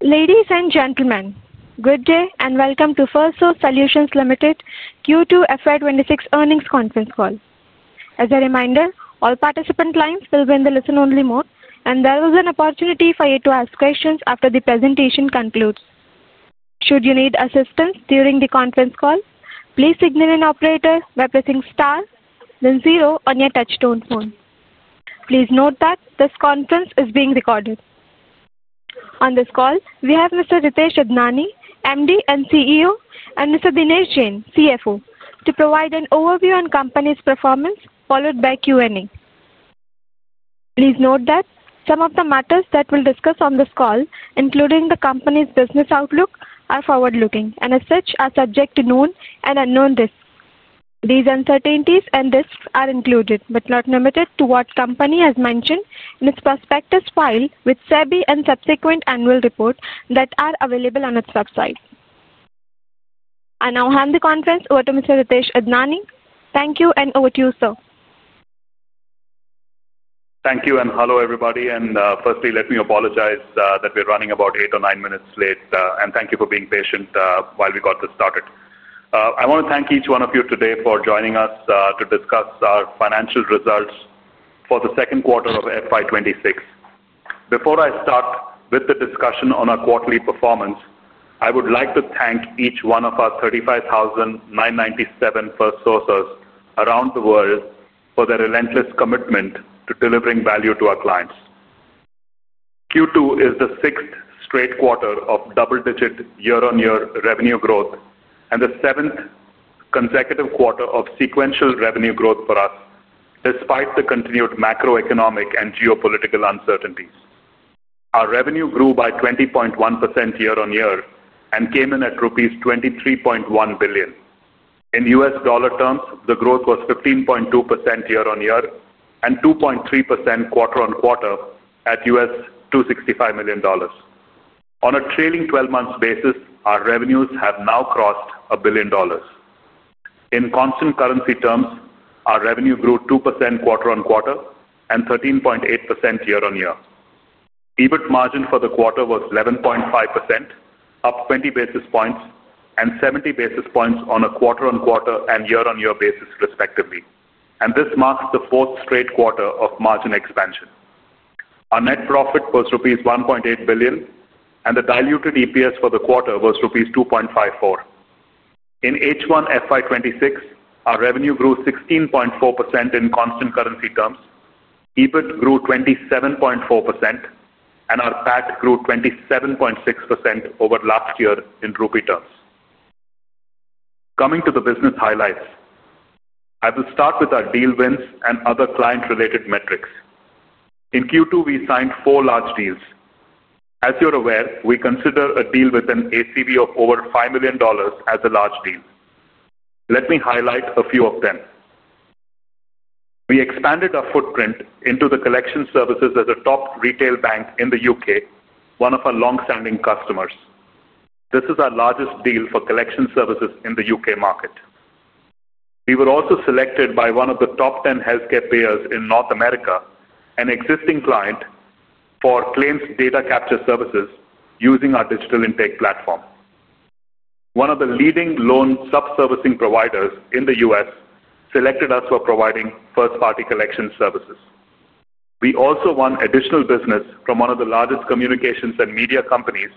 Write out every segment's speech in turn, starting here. Ladies and gentlemen, good day and welcome to Firstsource Solutions Limited Q2 FY2026 earnings conference call. As a reminder, all participant lines will be in the listen-only mode, and there is an opportunity for you to ask questions after the presentation concludes. Should you need assistance during the conference call, please signal an operator by pressing star then zero on your touch-tone phone. Please note that this conference is being recorded. On this call, we have Mr. Ritesh Idnani, MD and CEO, and Mr. Dinesh Jain, CFO, to provide an overview on the company's performance, followed by Q&A. Please note that some of the matters that we'll discuss on this call, including the company's business outlook, are forward-looking and, as such, are subject to known and unknown risks. These uncertainties and risks are included but not limited to what the company has mentioned in its prospectus filed with SEBI and subsequent annual reports that are available on its website. I now hand the conference over to Mr. Ritesh Idnani. Thank you, and over to you, sir. Thank you and hello, everybody. Firstly, let me apologize that we're running about eight or nine minutes late, and thank you for being patient while we got this started. I want to thank each one of you today for joining us to discuss our financial results for the second quarter of FY2026. Before I start with the discussion on our quarterly performance, I would like to thank each one of our 35,997 Firstsourcers around the world for their relentless commitment to delivering value to our clients. Q2 is the sixth straight quarter of double-digit year-on-year revenue growth and the seventh consecutive quarter of sequential revenue growth for us, despite the continued macroeconomic and geopolitical uncertainties. Our revenue grew by 20.1% year-on-year and came in at rupees 23.1 billion. In US dollar terms, the growth was 15.2% year-on-year and 2.3% quarter-on-quarter at $265 million. On a trailing 12-month basis, our revenues have now crossed $1 billion. In constant currency terms, our revenue grew 2% quarter-on-quarter and 13.8% year-on-year. EBIT margin for the quarter was 11.5%, up 20 basis points and 70 basis points on a quarter-on-quarter and year-on-year basis, respectively. This marks the fourth straight quarter of margin expansion. Our net profit was rupees 1.8 billion, and the diluted EPS for the quarter was rupees 2.54. In H1 FY2026, our revenue grew 16.4% in constant currency terms, EBIT grew 27.4%, and our PAT grew 27.6% over last year in rupee terms. Coming to the business highlights, I will start with our deal wins and other client-related metrics. In Q2, we signed four large deals. As you're aware, we consider a deal with an ACV of over $5 million as a large deal. Let me highlight a few of them. We expanded our footprint into the collection services as a top retail bank in the U.K., one of our longstanding customers. This is our largest deal for collection services in the U.K. market. We were also selected by one of the top 10 healthcare payers in North America, an existing client for claims data capture services using our digital intake platform. One of the leading loan sub-servicing providers in the U.S. selected us for providing first-party collection services. We also won additional business from one of the largest communications and media companies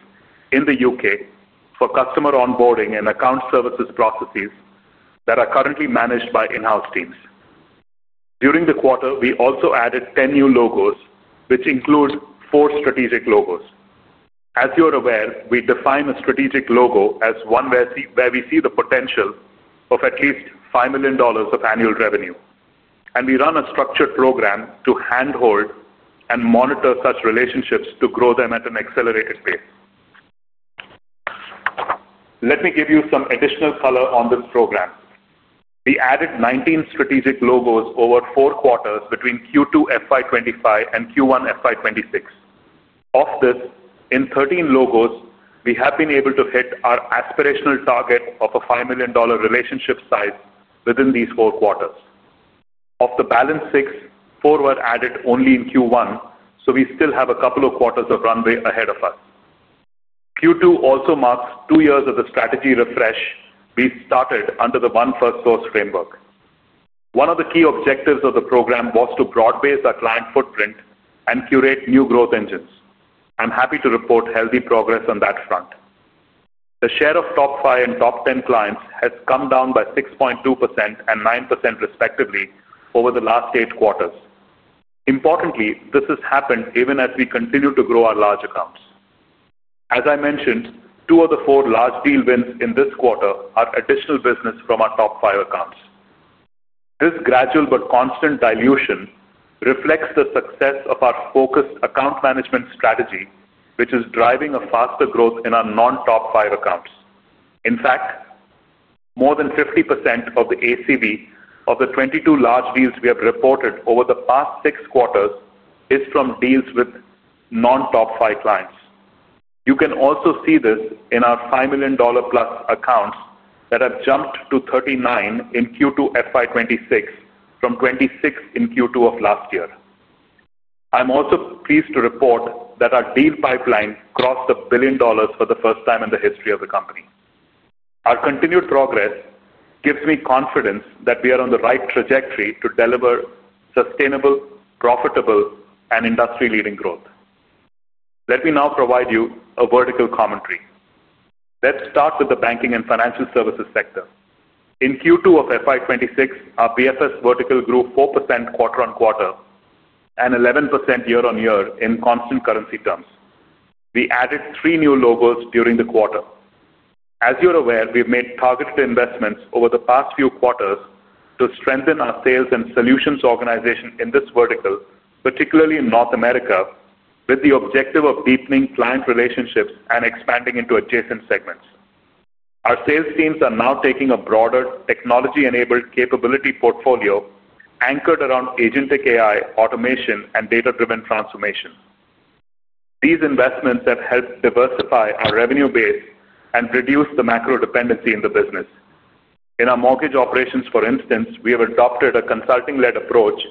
in the U.K. for customer onboarding and account services processes that are currently managed by in-house teams. During the quarter, we also added 10 new logos, which include four strategic logos. As you're aware, we define a strategic logo as one where we see the potential of at least $5 million of annual revenue. We run a structured program to handhold and monitor such relationships to grow them at an accelerated pace. Let me give you some additional color on this program. We added 19 strategic logos over four quarters between Q2 FY2025 and Q1 FY2026. Of this, in 13 logos, we have been able to hit our aspirational target of a $5 million relationship size within these four quarters. Of the balance six, four were added only in Q1, so we still have a couple of quarters of runway ahead of us. Q2 also marks two years of the strategy refresh we started under the One Firstsource framework. One of the key objectives of the program was to broad-base our client footprint and curate new growth engines. I'm happy to report healthy progress on that front. The share of top five and top 10 clients has come down by 6.2% and 9%, respectively, over the last eight quarters. Importantly, this has happened even as we continue to grow our large accounts. As I mentioned, two of the four large deal wins in this quarter are additional business from our top five accounts. This gradual but constant dilution reflects the success of our focused account management strategy, which is driving a faster growth in our non-top five accounts. In fact, more than 50% of the ACV of the 22 large deals we have reported over the past six quarters is from deals with non-top five clients. You can also see this in our $5 million+ accounts that have jumped to 39 in Q2 FY2026 from 26 in Q2 of last year. I'm also pleased to report that our deal pipeline crossed a billion dollars for the first time in the history of the company. Our continued progress gives me confidence that we are on the right trajectory to deliver sustainable, profitable, and industry-leading growth. Let me now provide you a vertical commentary. Let's start with the banking and financial services sector. In Q2 of FY2026, our BFS vertical grew 4% quarter-on-quarter and 11% year-on-year in constant currency terms. We added three new logos during the quarter. As you're aware, we've made targeted investments over the past few quarters to strengthen our sales and solutions organization in this vertical, particularly in North America, with the objective of deepening client relationships and expanding into adjacent segments. Our sales teams are now taking a broader technology-enabled capability portfolio anchored around agentic AI, automation, and data-driven transformation. These investments have helped diversify our revenue base and reduce the macro dependency in the business. In our mortgage operations, for instance, we have adopted a consulting-led approach,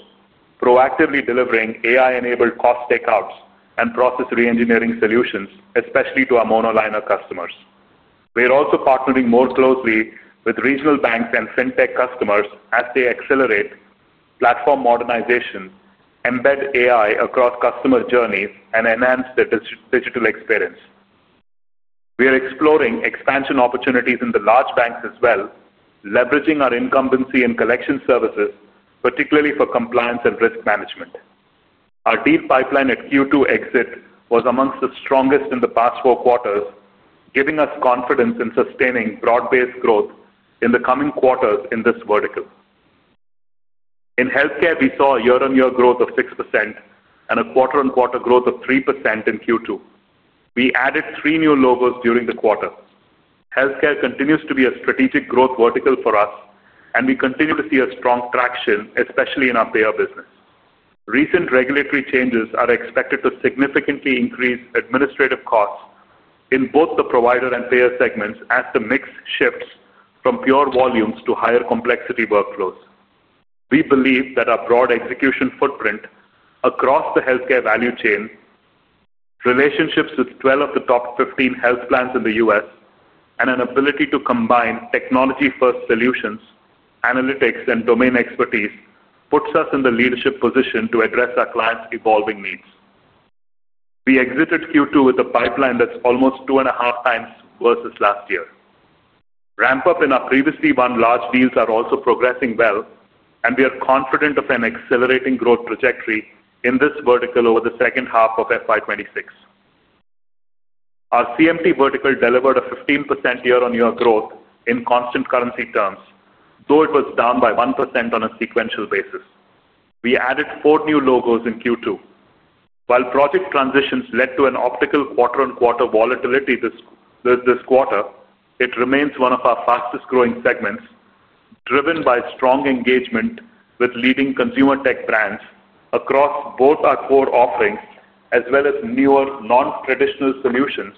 proactively delivering AI-enabled cost takeouts and process re-engineering solutions, especially to our monoliner customers. We are also partnering more closely with regional banks and fintech customers as they accelerate platform modernization, embed AI across customer journeys, and enhance their digital experience. We are exploring expansion opportunities in the large banks as well, leveraging our incumbency in collection services, particularly for compliance and risk management. Our deal pipeline at Q2 exit was amongst the strongest in the past four quarters, giving us confidence in sustaining broad-based growth in the coming quarters in this vertical. In healthcare, we saw a year-on-year growth of 6% and a quarter-on-quarter growth of 3% in Q2. We added three new logos during the quarter. Healthcare continues to be a strategic growth vertical for us, and we continue to see strong traction, especially in our payer business. Recent regulatory changes are expected to significantly increase administrative costs in both the provider and payer segments as the mix shifts from pure volumes to higher complexity workflows. We believe that our broad execution footprint across the healthcare value chain, relationships with 12 of the top 15 health plans in the U.S., and an ability to combine technology-first solutions, analytics, and domain expertise puts us in the leadership position to address our clients' evolving needs. We exited Q2 with a pipeline that's almost two and a half times versus last year. Ramp-up in our previously won large deals is also progressing well, and we are confident of an accelerating growth trajectory in this vertical over the second half of FY2026. Our CMT vertical delivered a 15% year-on-year growth in constant currency terms, though it was down by 1% on a sequential basis. We added four new logos in Q2. While project transitions led to an optical quarter-on-quarter volatility this quarter, it remains one of our fastest-growing segments, driven by strong engagement with leading consumer tech brands across both our core offerings as well as newer non-traditional solutions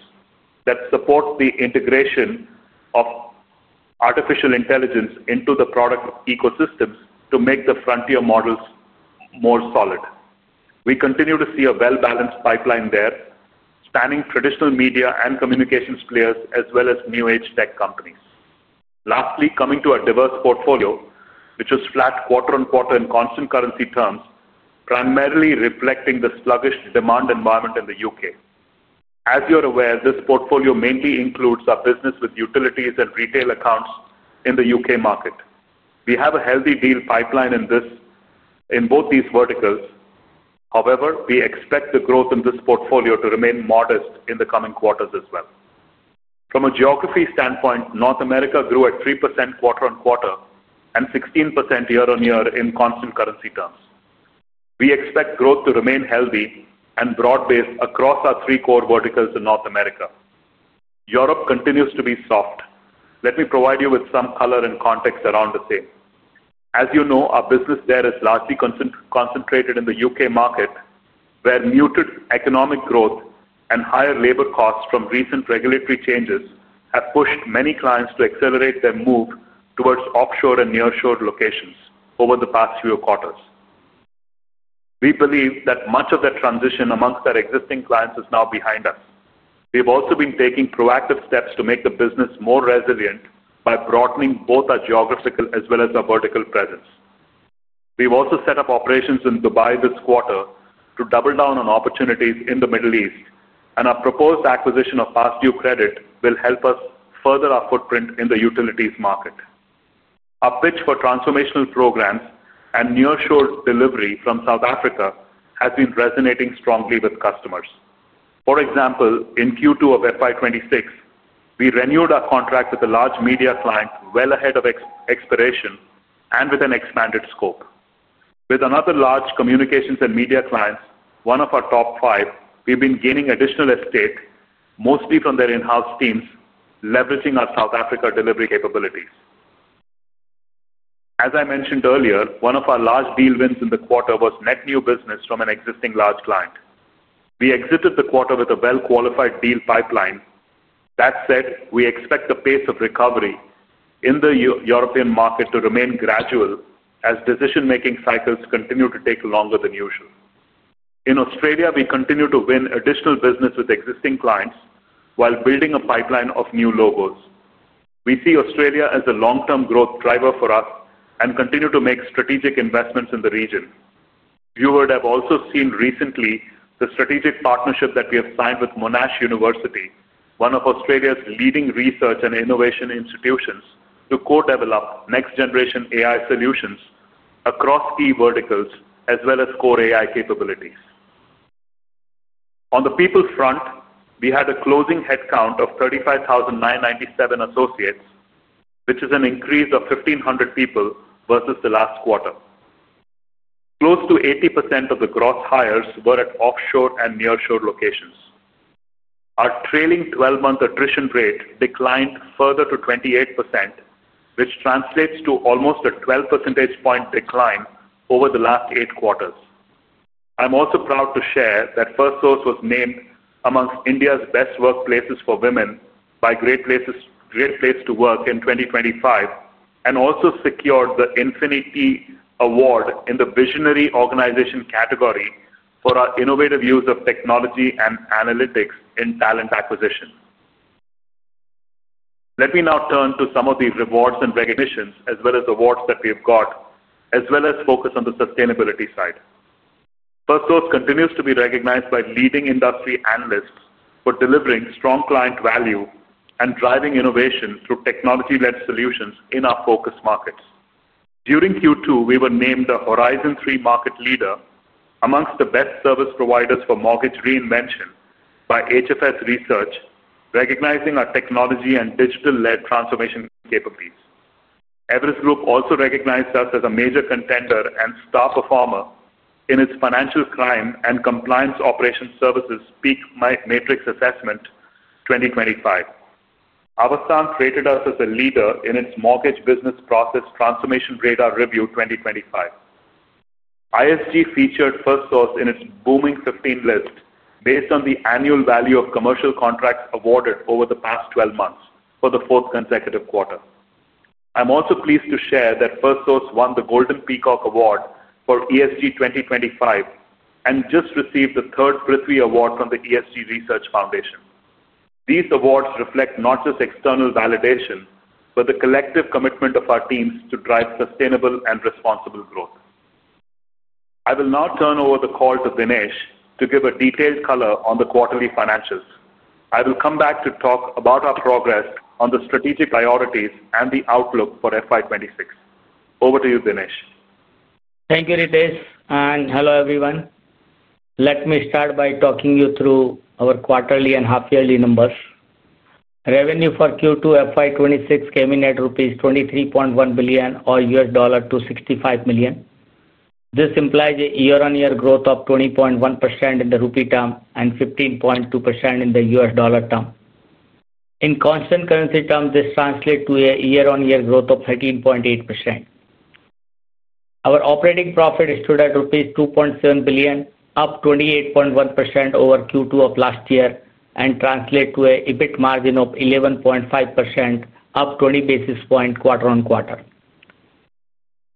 that support the integration of artificial intelligence into the product ecosystems to make the frontier models more solid. We continue to see a well-balanced pipeline there, spanning traditional media and communications players as well as new-age tech companies. Lastly, coming to our diverse portfolio, which was flat quarter-on-quarter in constant currency terms, primarily reflecting the sluggish demand environment in the U.K. As you're aware, this portfolio mainly includes our business with utilities and retail accounts in the U.K. market. We have a healthy deal pipeline in both these verticals. However, we expect the growth in this portfolio to remain modest in the coming quarters as well. From a geography standpoint, North America grew at 3% quarter-on-quarter and 16% year-on-year in constant currency terms. We expect growth to remain healthy and broad-based across our three core verticals in North America. Europe continues to be soft. Let me provide you with some color and context around the same. As you know, our business there is largely concentrated in the U.K. market, where muted economic growth and higher labor costs from recent regulatory changes have pushed many clients to accelerate their move towards offshore and nearshore locations over the past few quarters. We believe that much of that transition amongst our existing clients is now behind us. We have also been taking proactive steps to make the business more resilient by broadening both our geographical as well as our vertical presence. We've also set up operations in Dubai this quarter to double down on opportunities in the Middle East, and our proposed acquisition of Pastdue Credit will help us further our footprint in the utilities market. Our pitch for transformational programs and nearshore delivery from South Africa has been resonating strongly with customers. For example, in Q2 of FY2026, we renewed our contract with a large media client well ahead of expiration and with an expanded scope. With another large communications and media client, one of our top five, we've been gaining additional estate, mostly from their in-house teams, leveraging our South Africa delivery capabilities. As I mentioned earlier, one of our large deal wins in the quarter was net new business from an existing large client. We exited the quarter with a well-qualified deal pipeline. That said, we expect the pace of recovery in the European market to remain gradual as decision-making cycles continue to take longer than usual. In Australia, we continue to win additional business with existing clients while building a pipeline of new logos. We see Australia as a long-term growth driver for us and continue to make strategic investments in the region. You would have also seen recently the strategic partnership that we have signed with Monash University, one of Australia's leading research and innovation institutions, to co-develop next-generation AI solutions across key verticals as well as core AI capabilities. On the people front, we had a closing headcount of 35,997 associates, which is an increase of 1,500 people versus the last quarter. Close to 80% of the gross hires were at offshore and nearshore locations. Our trailing 12-month attrition rate declined further to 28%, which translates to almost a 12 percentage point decline over the last eight quarters. I'm also proud to share that Firstsource was named amongst India's best workplaces for women by Great Place to Work in 2025 and also secured the Infinity Award in the Visionary Organization category for our innovative use of technology and analytics in talent acquisition. Let me now turn to some of the rewards and recognitions as well as awards that we have got, as well as focus on the sustainability side. Firstsource continues to be recognized by leading industry analysts for delivering strong client value and driving innovation through technology-led solutions in our focus markets. During Q2, we were named a Horizon 3 market leader amongst the best service providers for mortgage reinvention by HFS Research, recognizing our technology and digital-led transformation capabilities. Everest Group also recognized us as a major contender and star performer in its Financial Crime and Compliance Operations Services Peak Matrix Assessment 2025. Avasant rated us as a leader in its Mortgage Business Process Transformation Radar Review 2025. ISG featured Firstsource in its Booming 15 list based on the annual value of commercial contracts awarded over the past 12 months for the fourth consecutive quarter. I'm also pleased to share that Firstsource won the Golden Peacock Award for ESG 2025 and just received the third Prittley Award from the ESG Research Foundation. These awards reflect not just external validation, but the collective commitment of our teams to drive sustainable and responsible growth. I will now turn over the call to Dinesh to give a detailed color on the quarterly financials. I will come back to talk about our progress on the strategic priorities and the outlook for FY2026. Over to you, Dinesh. Thank you, Ritesh. And hello, everyone. Let me start by talking you through our quarterly and half-yearly numbers. Revenue for Q2 FY2026 came in at rupees 23.1 billion, or $265 million. This implies a year-on-year growth of 20.1% in the rupee term and 15.2% in the US dollar term. In constant currency terms, this translates to a year-on-year growth of 13.8%. Our operating profit stood at rupees 2.7 billion, up 28.1% over Q2 of last year, and translates to an EBIT margin of 11.5%, up 20 basis points quarter-on-quarter.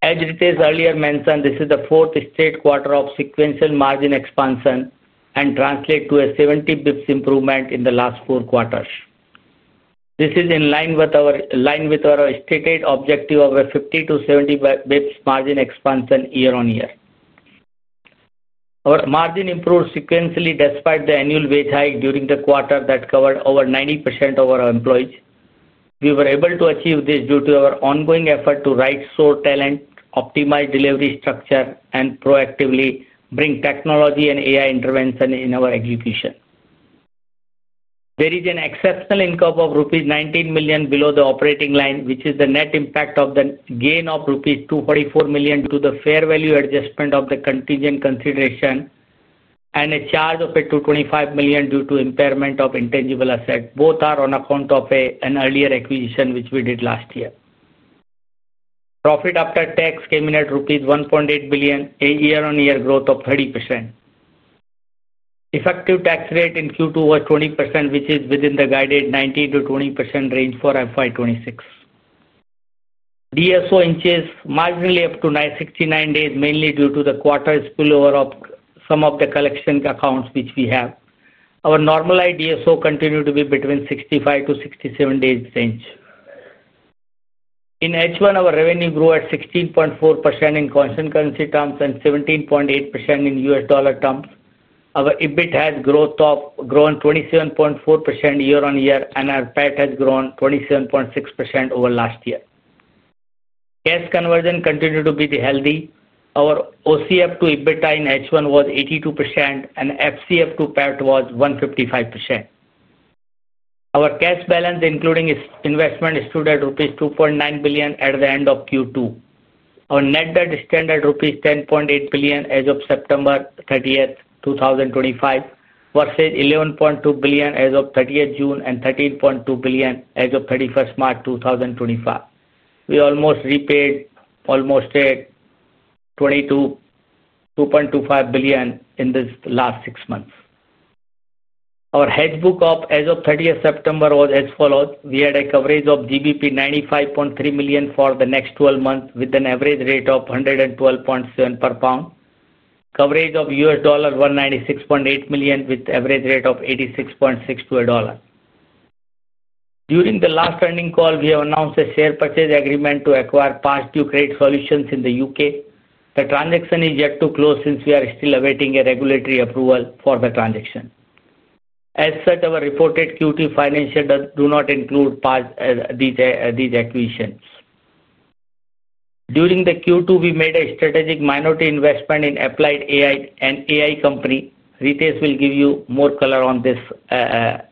As Ritesh earlier mentioned, this is the fourth straight quarter of sequential margin expansion and translates to a 70 basis points improvement in the last four quarters. This is in line with our stated objective of a 50-70 basis points margin expansion year-on-year. Our margin improved sequentially despite the annual wage hike during the quarter that covered over 90% of our employees. We were able to achieve this due to our ongoing effort to right-source talent, optimize delivery structure, and proactively bring technology and AI intervention in our execution. There is an exceptional increment of rupees 19 million below the operating line, which is the net impact of the gain of rupees 244 million due to the fair value adjustment of the contingent consideration and a charge of 225 million due to impairment of intangible assets, both are on account of an earlier acquisition which we did last year. Profit after tax came in at INR 1.8 billion, a year-on-year growth of 30%. Effective tax rate in Q2 was 20%, which is within the guided 19%-20% range for FY2026. DSO inches marginally up to 69 days, mainly due to the quarter spillover of some of the collection accounts which we have. Our normalized DSO continued to be between 65-67 days range. In H1, our revenue grew at 16.4% in constant currency terms and 17.8% in US dollar terms. Our EBIT has grown 27.4% year-on-year, and our PAT has grown 27.6% over last year. Cash conversion continued to be healthy. Our OCF to EBITDA in H1 was 82%, and FCF to PAT was 155%. Our cash balance, including investment, stood at rupees 2.9 billion at the end of Q2. Our net debt is standard at rupees 10.8 billion as of September 30th, 2025, versus 11.2 billion as of 30th June and 13.2 billion as of 31st March, 2025. We almost repaid 2.225 billion in these last six months. Our hedge book as of 30th September was as follows. We had a coverage of GBP 95.3 million for the next 12 months with an average rate of 112.7 per pound, coverage of $196.8 million with average rate of 86.6 to a dollar. During the last earning call, we have announced a share purchase agreement to acquire Pastdue Credit Solutions in the U.K. The transaction is yet to close since we are still awaiting a regulatory approval for the transaction. As such, our reported Q2 financials do not include these acquisitions. During the Q2, we made a strategic minority investment in Applied AI, an AI company. Ritesh will give you more color on this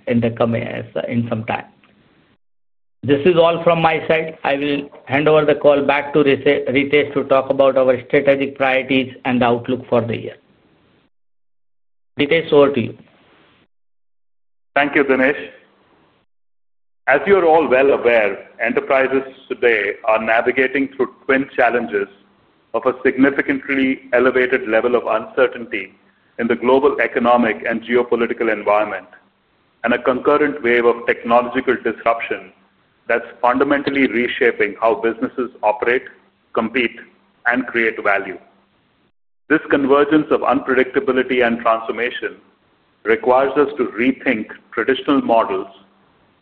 in some time. This is all from my side. I will hand over the call back to Ritesh to talk about our strategic priorities and outlook for the year. Ritesh, over to you. Thank you, Dinesh. As you're all well aware, enterprises today are navigating through twin challenges of a significantly elevated level of uncertainty in the global economic and geopolitical environment and a concurrent wave of technological disruption that's fundamentally reshaping how businesses operate, compete, and create value. This convergence of unpredictability and transformation requires us to rethink traditional models,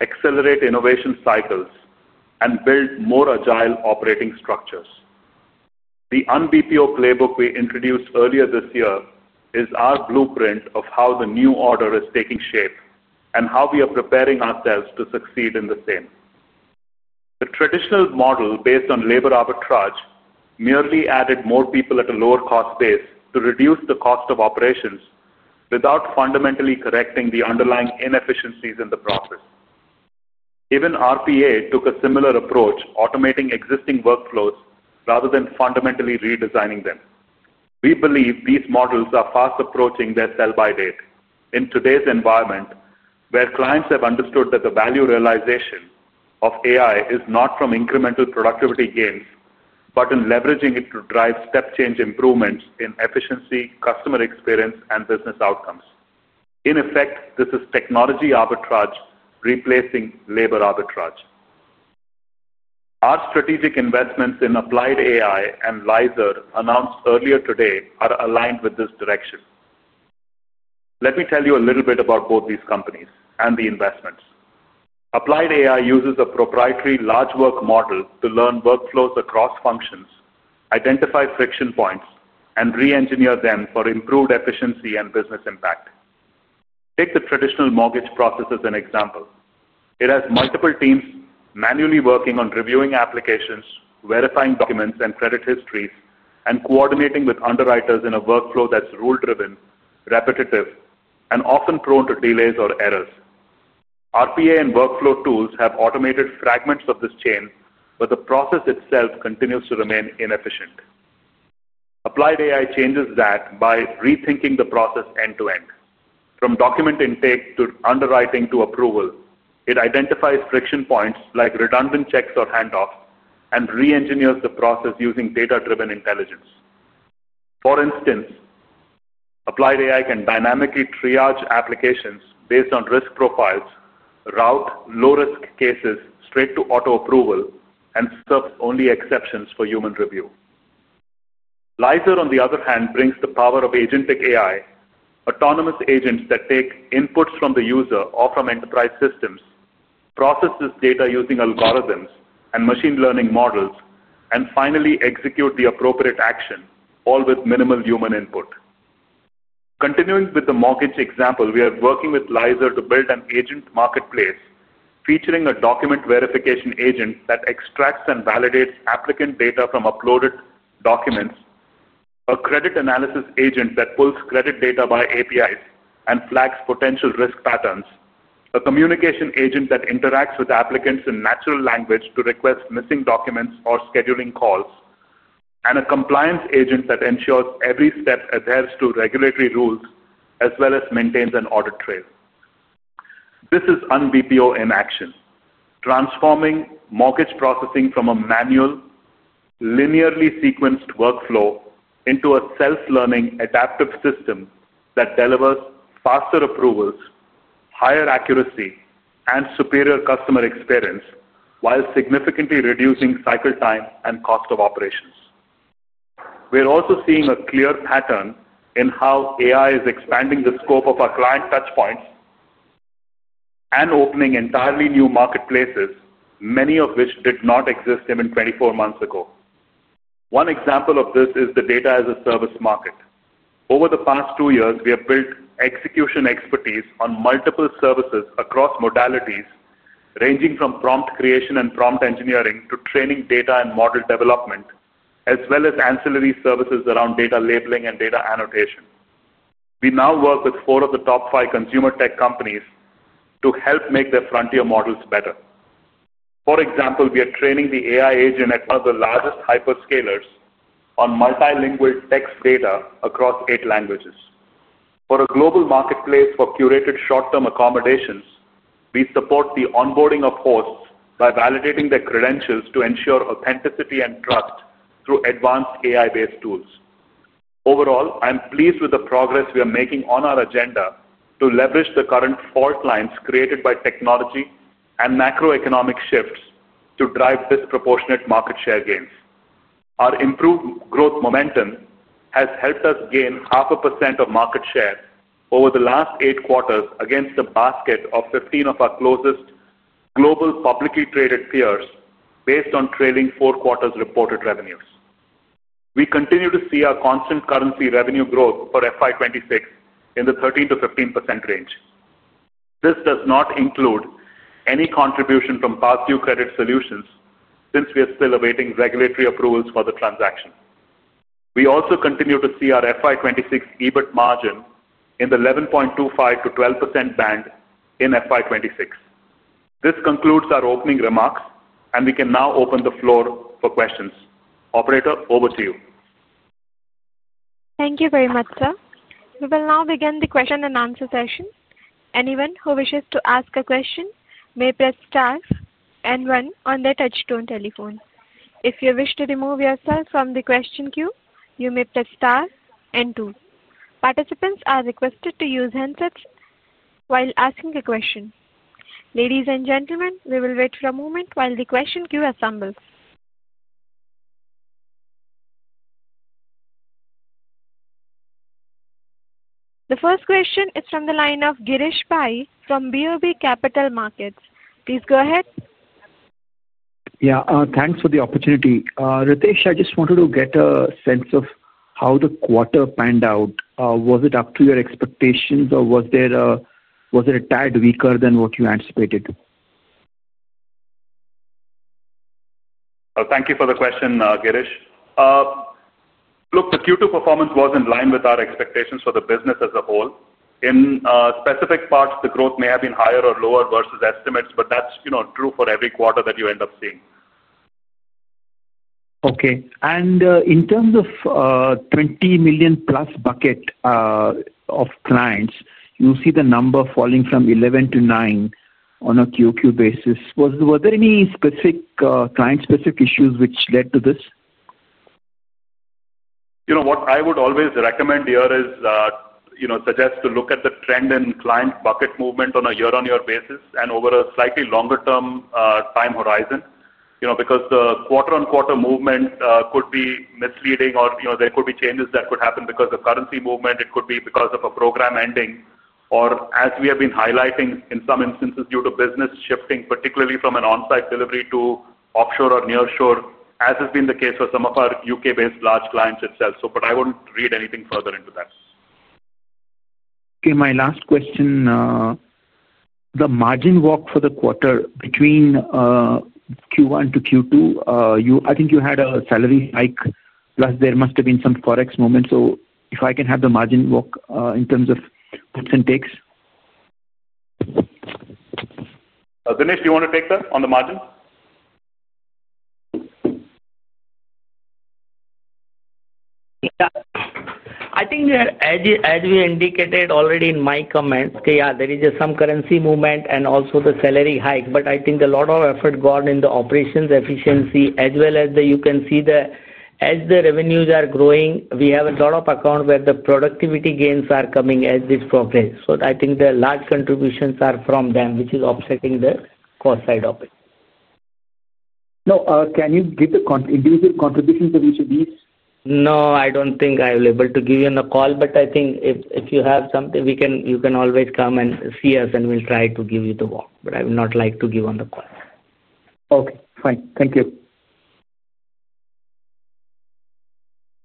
accelerate innovation cycles, and build more agile operating structures. The unBPO playbook we introduced earlier this year is our blueprint of how the new order is taking shape and how we are preparing ourselves to succeed in the same. The traditional model based on labor arbitrage merely added more people at a lower cost base to reduce the cost of operations without fundamentally correcting the underlying inefficiencies in the process. Even RPA took a similar approach, automating existing workflows rather than fundamentally redesigning them. We believe these models are fast approaching their sell-by date in today's environment where clients have understood that the value realization of AI is not from incremental productivity gains but in leveraging it to drive step-change improvements in efficiency, customer experience, and business outcomes. In effect, this is technology arbitrage replacing labor arbitrage. Our strategic investments in Applied AI and Lyzr announced earlier today are aligned with this direction. Let me tell you a little bit about both these companies and the investments. Applied AI uses a proprietary large work model to learn workflows across functions, identify friction points, and re-engineer them for improved efficiency and business impact. Take the traditional mortgage process as an example. It has multiple teams manually working on reviewing applications, verifying documents and credit histories, and coordinating with underwriters in a workflow that's rule-driven, repetitive, and often prone to delays or errors. RPA and workflow tools have automated fragments of this chain, but the process itself continues to remain inefficient. Applied AI changes that by rethinking the process end-to-end. From document intake to underwriting to approval, it identifies friction points like redundant checks or handoffs and re-engineers the process using data-driven intelligence. For instance. Applied AI can dynamically triage applications based on risk profiles, route low-risk cases straight to auto approval, and serve only exceptions for human review. Lyzr, on the other hand, brings the power of agentic AI, autonomous agents that take inputs from the user or from enterprise systems, process this data using algorithms and machine learning models, and finally execute the appropriate action, all with minimal human input. Continuing with the mortgage example, we are working with Lyzr to build an agent marketplace featuring a document verification agent that extracts and validates applicant data from uploaded documents, a credit analysis agent that pulls credit data by APIs and flags potential risk patterns, a communication agent that interacts with applicants in natural language to request missing documents or scheduling calls, and a compliance agent that ensures every step adheres to regulatory rules as well as maintains an audit trail. This is unBPO in action, transforming mortgage processing from a manual, linearly sequenced workflow into a self-learning adaptive system that delivers faster approvals, higher accuracy, and superior customer experience while significantly reducing cycle time and cost of operations. We're also seeing a clear pattern in how AI is expanding the scope of our client touchpoints. Opening entirely new marketplaces, many of which did not exist even 24 months ago. One example of this is the data-as-a-service market. Over the past two years, we have built execution expertise on multiple services across modalities, ranging from prompt creation and prompt engineering to training data and model development, as well as ancillary services around data labeling and data annotation. We now work with four of the top five consumer tech companies to help make their frontier models better. For example, we are training the AI agent at one of the largest hyperscalers on multilingual text data across eight languages. For a global marketplace for curated short-term accommodations, we support the onboarding of hosts by validating their credentials to ensure authenticity and trust through advanced AI-based tools. Overall, I'm pleased with the progress we are making on our agenda to leverage the current fault lines created by technology and macroeconomic shifts to drive disproportionate market share gains. Our improved growth momentum has helped us gain half a percent of market share over the last eight quarters against a basket of 15 of our closest global publicly traded peers based on trailing four quarters reported revenues. We continue to see our constant currency revenue growth for FY2026 in the 13%-15% range. This does not include any contribution from Pastdue Credit Solutions since we are still awaiting regulatory approvals for the transaction. We also continue to see our FY2026 EBIT margin in the 11.25%-12% band in FY2026. This concludes our opening remarks, and we can now open the floor for questions. Operator, over to you. Thank you very much, sir. We will now begin the question and answer session. Anyone who wishes to ask a question may press star and one on their touchstone telephone. If you wish to remove yourself from the question queue, you may press star and two. Participants are requested to use handsets while asking a question. Ladies and gentlemen, we will wait for a moment while the question queue assembles. The first question is from the line of Girish Pai from BOB Capital Markets. Please go ahead. Yeah. Thanks for the opportunity. Ritesh, I just wanted to get a sense of how the quarter panned out. Was it up to your expectations, or was it a tad weaker than what you anticipated? Thank you for the question, Girish. Look, the Q2 performance was in line with our expectations for the business as a whole. In specific parts, the growth may have been higher or lower versus estimates, but that's true for every quarter that you end up seeing. Okay. And in terms of 20 million+ bucket of clients, you see the number falling from 11 to 9 on a Q2 basis. Were there any client-specific issues which led to this? What I would always recommend here is suggest to look at the trend in client bucket movement on a year-on-year basis and over a slightly longer-term time horizon because the quarter-on-quarter movement could be misleading, or there could be changes that could happen because of currency movement. It could be because of a program ending, or as we have been highlighting in some instances due to business shifting, particularly from an onsite delivery to offshore or nearshore, as has been the case for some of our U.K.-based large clients itself. But I won't read anything further into that. Okay. My last question. The margin walk for the quarter between Q1 to Q2, I think you had a salary hike, plus there must have been some Forex movement. So if I can have the margin walk in terms of gifts and takes. Dinesh, do you want to take that on the margin? Yeah. I think as we indicated already in my comments, yeah, there is some currency movement and also the salary hike, but I think a lot of effort gone in the operations efficiency, as well as you can see that as the revenues are growing, we have a lot of account where the productivity gains are coming as this progress. So I think the large contributions are from them, which is offsetting the cost side of it. No. Can you give the individual contributions of each of these? No, I don't think I'll be able to give you on the call, but I think if you have something, you can always come and see us, and we'll try to give you the walk. But I would not like to give on the call. Okay. Fine. Thank you.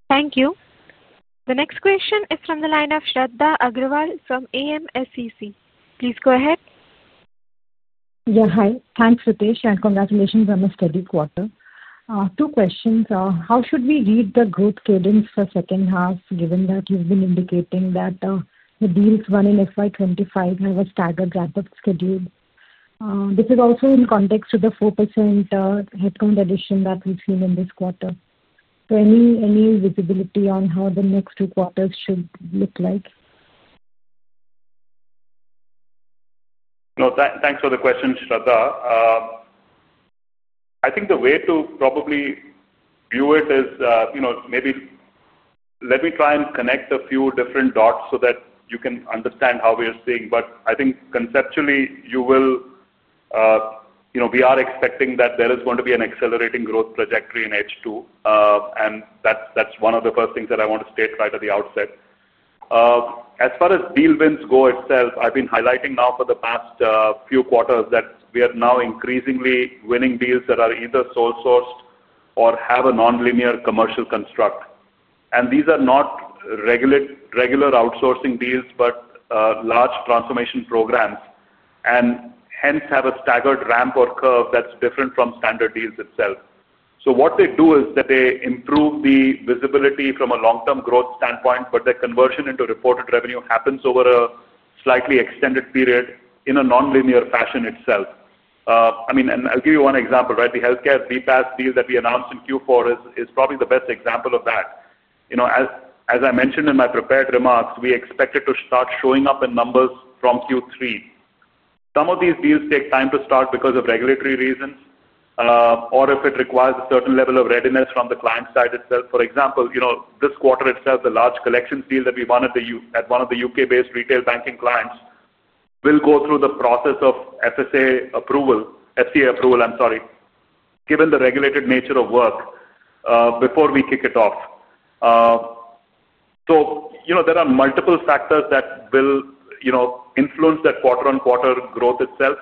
Thank you. The next question is from the line of Shradha Agrawal from AMSEC. Please go ahead. Yeah. Hi. Thanks, Ritesh, and congratulations on a steady quarter. Two questions. How should we read the growth cadence for second half, given that you've been indicating that the deals run in FY2025 have a staggered ramp-up schedule? This is also in context of the 4% headcount addition that we've seen in this quarter. Any visibility on how the next two quarters should look like? No. Thanks for the question, Shradha. I think the way to probably view it is maybe. Let me try and connect a few different dots so that you can understand how we are seeing. I think conceptually, you will. We are expecting that there is going to be an accelerating growth trajectory in H2, and that's one of the first things that I want to state right at the outset. As far as deal wins go itself, I've been highlighting now for the past few quarters that we are now increasingly winning deals that are either sole-sourced or have a non-linear commercial construct. These are not regular outsourcing deals but large transformation programs and hence have a staggered ramp or curve that's different from standard deals itself. What they do is that they improve the visibility from a long-term growth standpoint, but the conversion into reported revenue happens over a slightly extended period in a non-linear fashion itself. I mean, and I'll give you one example, right? The healthcare VPASS deal that we announced in Q4 is probably the best example of that. As I mentioned in my prepared remarks, we expect it to start showing up in numbers from Q3. Some of these deals take time to start because of regulatory reasons or if it requires a certain level of readiness from the client side itself. For example, this quarter itself, the large collections deal that we won at one of the U.K.-based retail banking clients will go through the process of FSA approval, FCA approval, I'm sorry, given the regulated nature of work before we kick it off. There are multiple factors that will influence that quarter-on-quarter growth itself.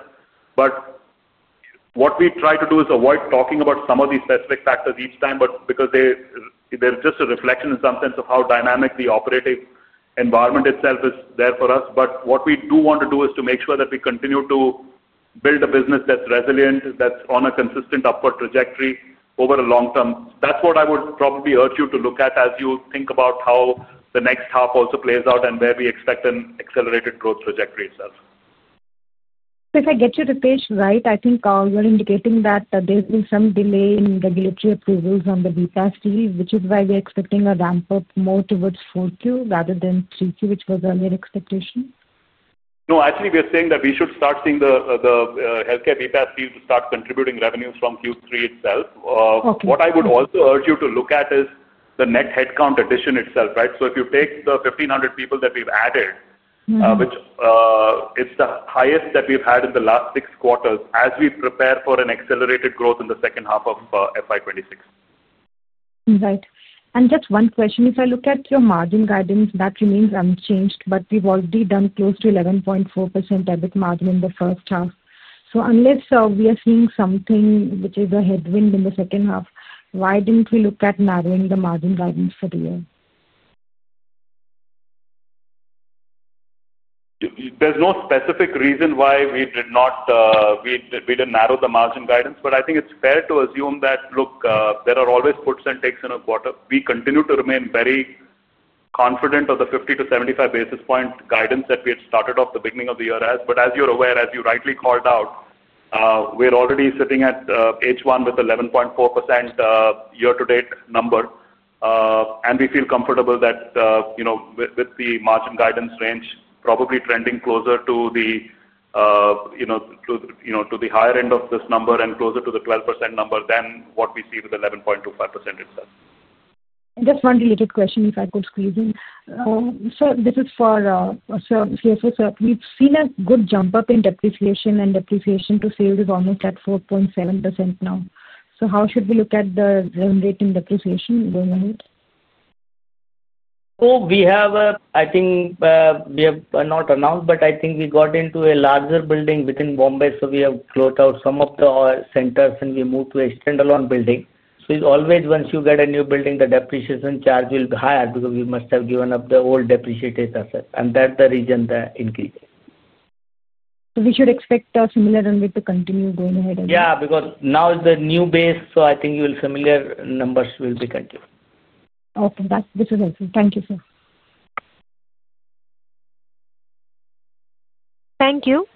What we try to do is avoid talking about some of these specific factors each time because they're just a reflection in some sense of how dynamic the operative environment itself is there for us. What we do want to do is to make sure that we continue to build a business that's resilient, that's on a consistent upward trajectory over a long term. That's what I would probably urge you to look at as you think about how the next half also plays out and where we expect an accelerated growth trajectory itself. If I get you, Ritesh, right, I think you're indicating that there's been some delay in regulatory approvals on the VPASS deal, which is why we're expecting a ramp-up more towards 4Q rather than 3Q, which was earlier expectation? No, actually, we are saying that we should start seeing the healthcare VPASS deal to start contributing revenues from Q3 itself. What I would also urge you to look at is the net headcount addition itself, right? If you take the 1,500 people that we've added, which is the highest that we've had in the last six quarters, as we prepare for an accelerated growth in the second half of FY2026. Right. Just one question. If I look at your margin guidance, that remains unchanged, but we've already done close to 11.4% EBIT margin in the first half. Unless we are seeing something which is a headwind in the second half, why didn't we look at narrowing the margin guidance for the year? There's no specific reason why we didn't narrow the margin guidance, but I think it's fair to assume that, look, there are always puts and takes in a quarter. We continue to remain very confident of the 50-75 basis point guidance that we had started off the beginning of the year as. As you're aware, as you rightly called out, we're already sitting at H1 with 11.4% year-to-date number. We feel comfortable that, with the margin guidance range probably trending closer to the higher end of this number and closer to the 12% number than what we see with 11.25% itself. Just one related question, if I could squeeze in. This is for CFO. We've seen a good jump-up in depreciation, and depreciation to sales is almost at 4.7% now. How should we look at the rate in depreciation going ahead? We have, I think, we have not announced, but I think we got into a larger building within Bombay, so we have closed out some of our centers, and we moved to a standalone building. Always, once you get a new building, the depreciation charge will be higher because we must have given up the old depreciated assets. That's the reason the increase. We should expect a similar runway to continue going ahead as well? Yeah, because now the new base, so I think you will familiar numbers will be continued. Okay. This is helpful. Thank you, sir. Thank you.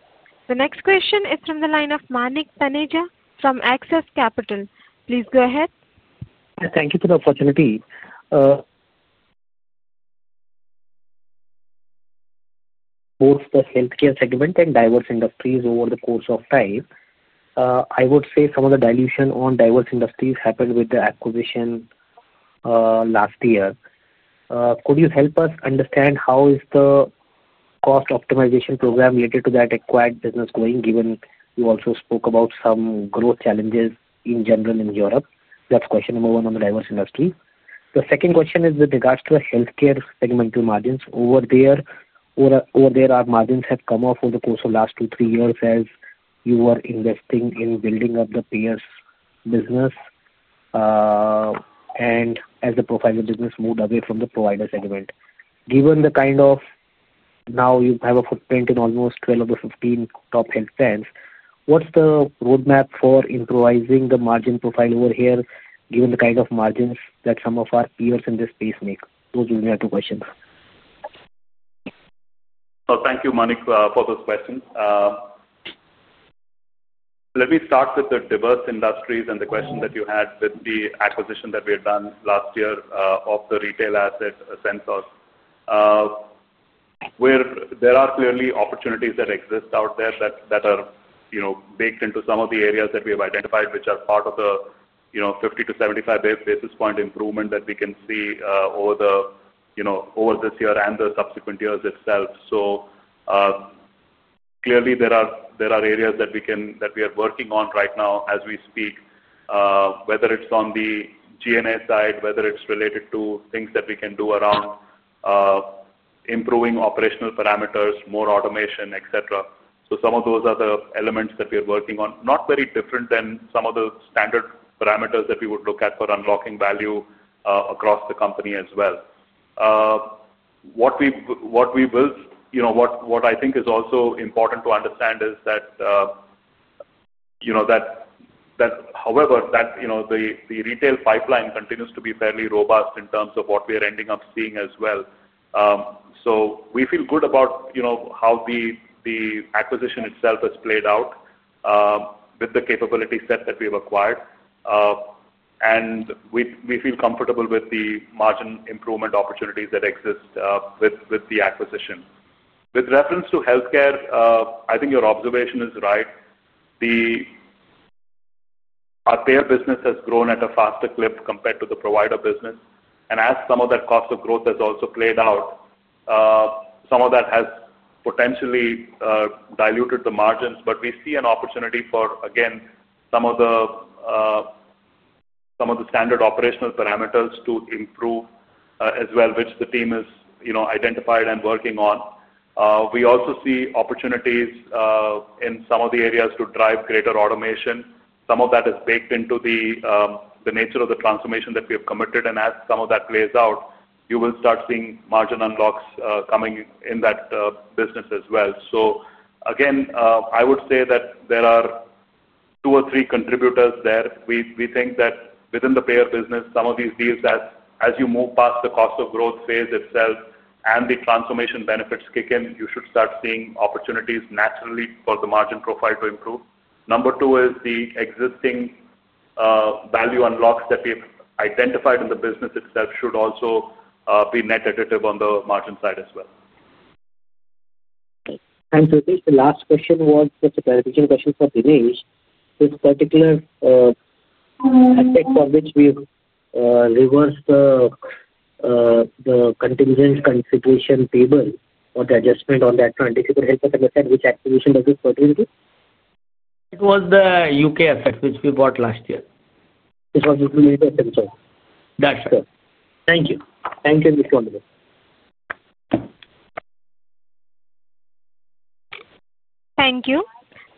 The next question is from the line of Manik Taneja from Axis Capital. Please go ahead. Thank you for the opportunity. Both the healthcare segment and diverse industries over the course of time, I would say some of the dilution on diverse industries happened with the acquisition last year. Could you help us understand how is the cost optimization program related to that acquired business going, given you also spoke about some growth challenges in general in Europe? That's question number one on the diverse industry. The second question is with regards to the healthcare segmental margins over there. Our margins have come off over the course of the last two, three years as you were investing in building up the payers' business. And as the provider business moved away from the provider segment. Given the kind of. Now you have a footprint in almost 12 of the 15 top health plans, what's the roadmap for improvising the margin profile over here, given the kind of margins that some of our peers in this space make? Those will be my two questions. Thank you, Manik, for those questions. Let me start with the diverse industries and the question that you had with the acquisition that we had done last year of the retail asset Ascensos. There are clearly opportunities that exist out there that are baked into some of the areas that we have identified, which are part of the 50-75 basis point improvement that we can see over this year and the subsequent years itself. Clearly, there are areas that we are working on right now as we speak. Whether it's on the G&A side, whether it's related to things that we can do around improving operational parameters, more automation, etc. Some of those are the elements that we are working on, not very different than some of the standard parameters that we would look at for unlocking value across the company as well. What I think is also important to understand is that, however, the retail pipeline continues to be fairly robust in terms of what we are ending up seeing as well. We feel good about how the acquisition itself has played out with the capability set that we have acquired. And we feel comfortable with the margin improvement opportunities that exist with the acquisition. With reference to healthcare, I think your observation is right. Our payer business has grown at a faster clip compared to the provider business. And as some of that cost of growth has also played out, some of that has potentially diluted the margins. We see an opportunity for, again, some of the standard operational parameters to improve as well, which the team has identified and working on. We also see opportunities in some of the areas to drive greater automation. Some of that is baked into the nature of the transformation that we have committed. As some of that plays out, you will start seeing margin unlocks coming in that business as well. Again, I would say that there are two or three contributors there. We think that within the payer business, some of these deals, as you move past the cost of growth phase itself and the transformation benefits kick in, you should start seeing opportunities naturally for the margin profile to improve. Number two is the existing value unlocks that we have identified in the business itself should also be net additive on the margin side as well. Ritesh, the last question was just a clarification question for Dinesh. This particular aspect for which we've reversed the contingent consideration table or the adjustment on that 20th for healthcare asset, which activation does it pertain to? It was the U.K. asset which we bought last year. It was U.K. asset, sorry. That's correct. Thank you. Thank you, Mr. Oliver. Thank you.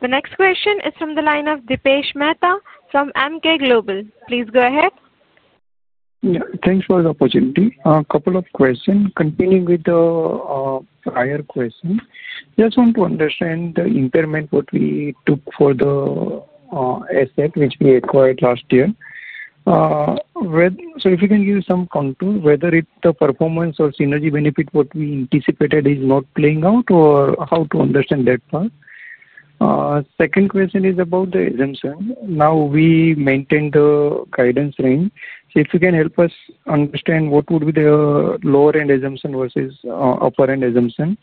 The next question is from the line of Dipesh Mehta from Emkay Global. Please go ahead. Thanks for the opportunity. A couple of questions. Continuing with the prior question, just want to understand the impairment what we took for the asset which we acquired last year. If you can give some contour, whether it's the performance or synergy benefit what we anticipated is not playing out or how to understand that part. Second question is about the exemption. Now we maintain the guidance range. If you can help us understand what would be the lower-end exemption versus upper-end exemption.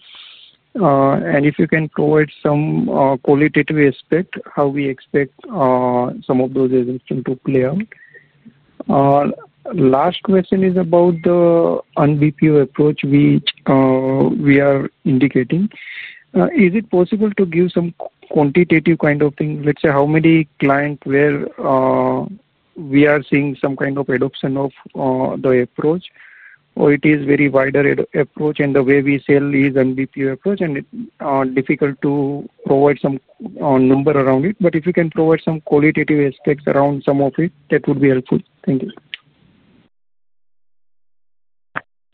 And if you can provide some qualitative aspect, how we expect some of those exemptions to play out. Last question is about the unBPO approach we are indicating. Is it possible to give some quantitative kind of thing? Let's say how many clients where we are seeing some kind of adoption of the approach, or it is a very wider approach and the way we sell is unBPO approach? And it's difficult to provide some number around it. But if you can provide some qualitative aspects around some of it, that would be helpful. Thank you.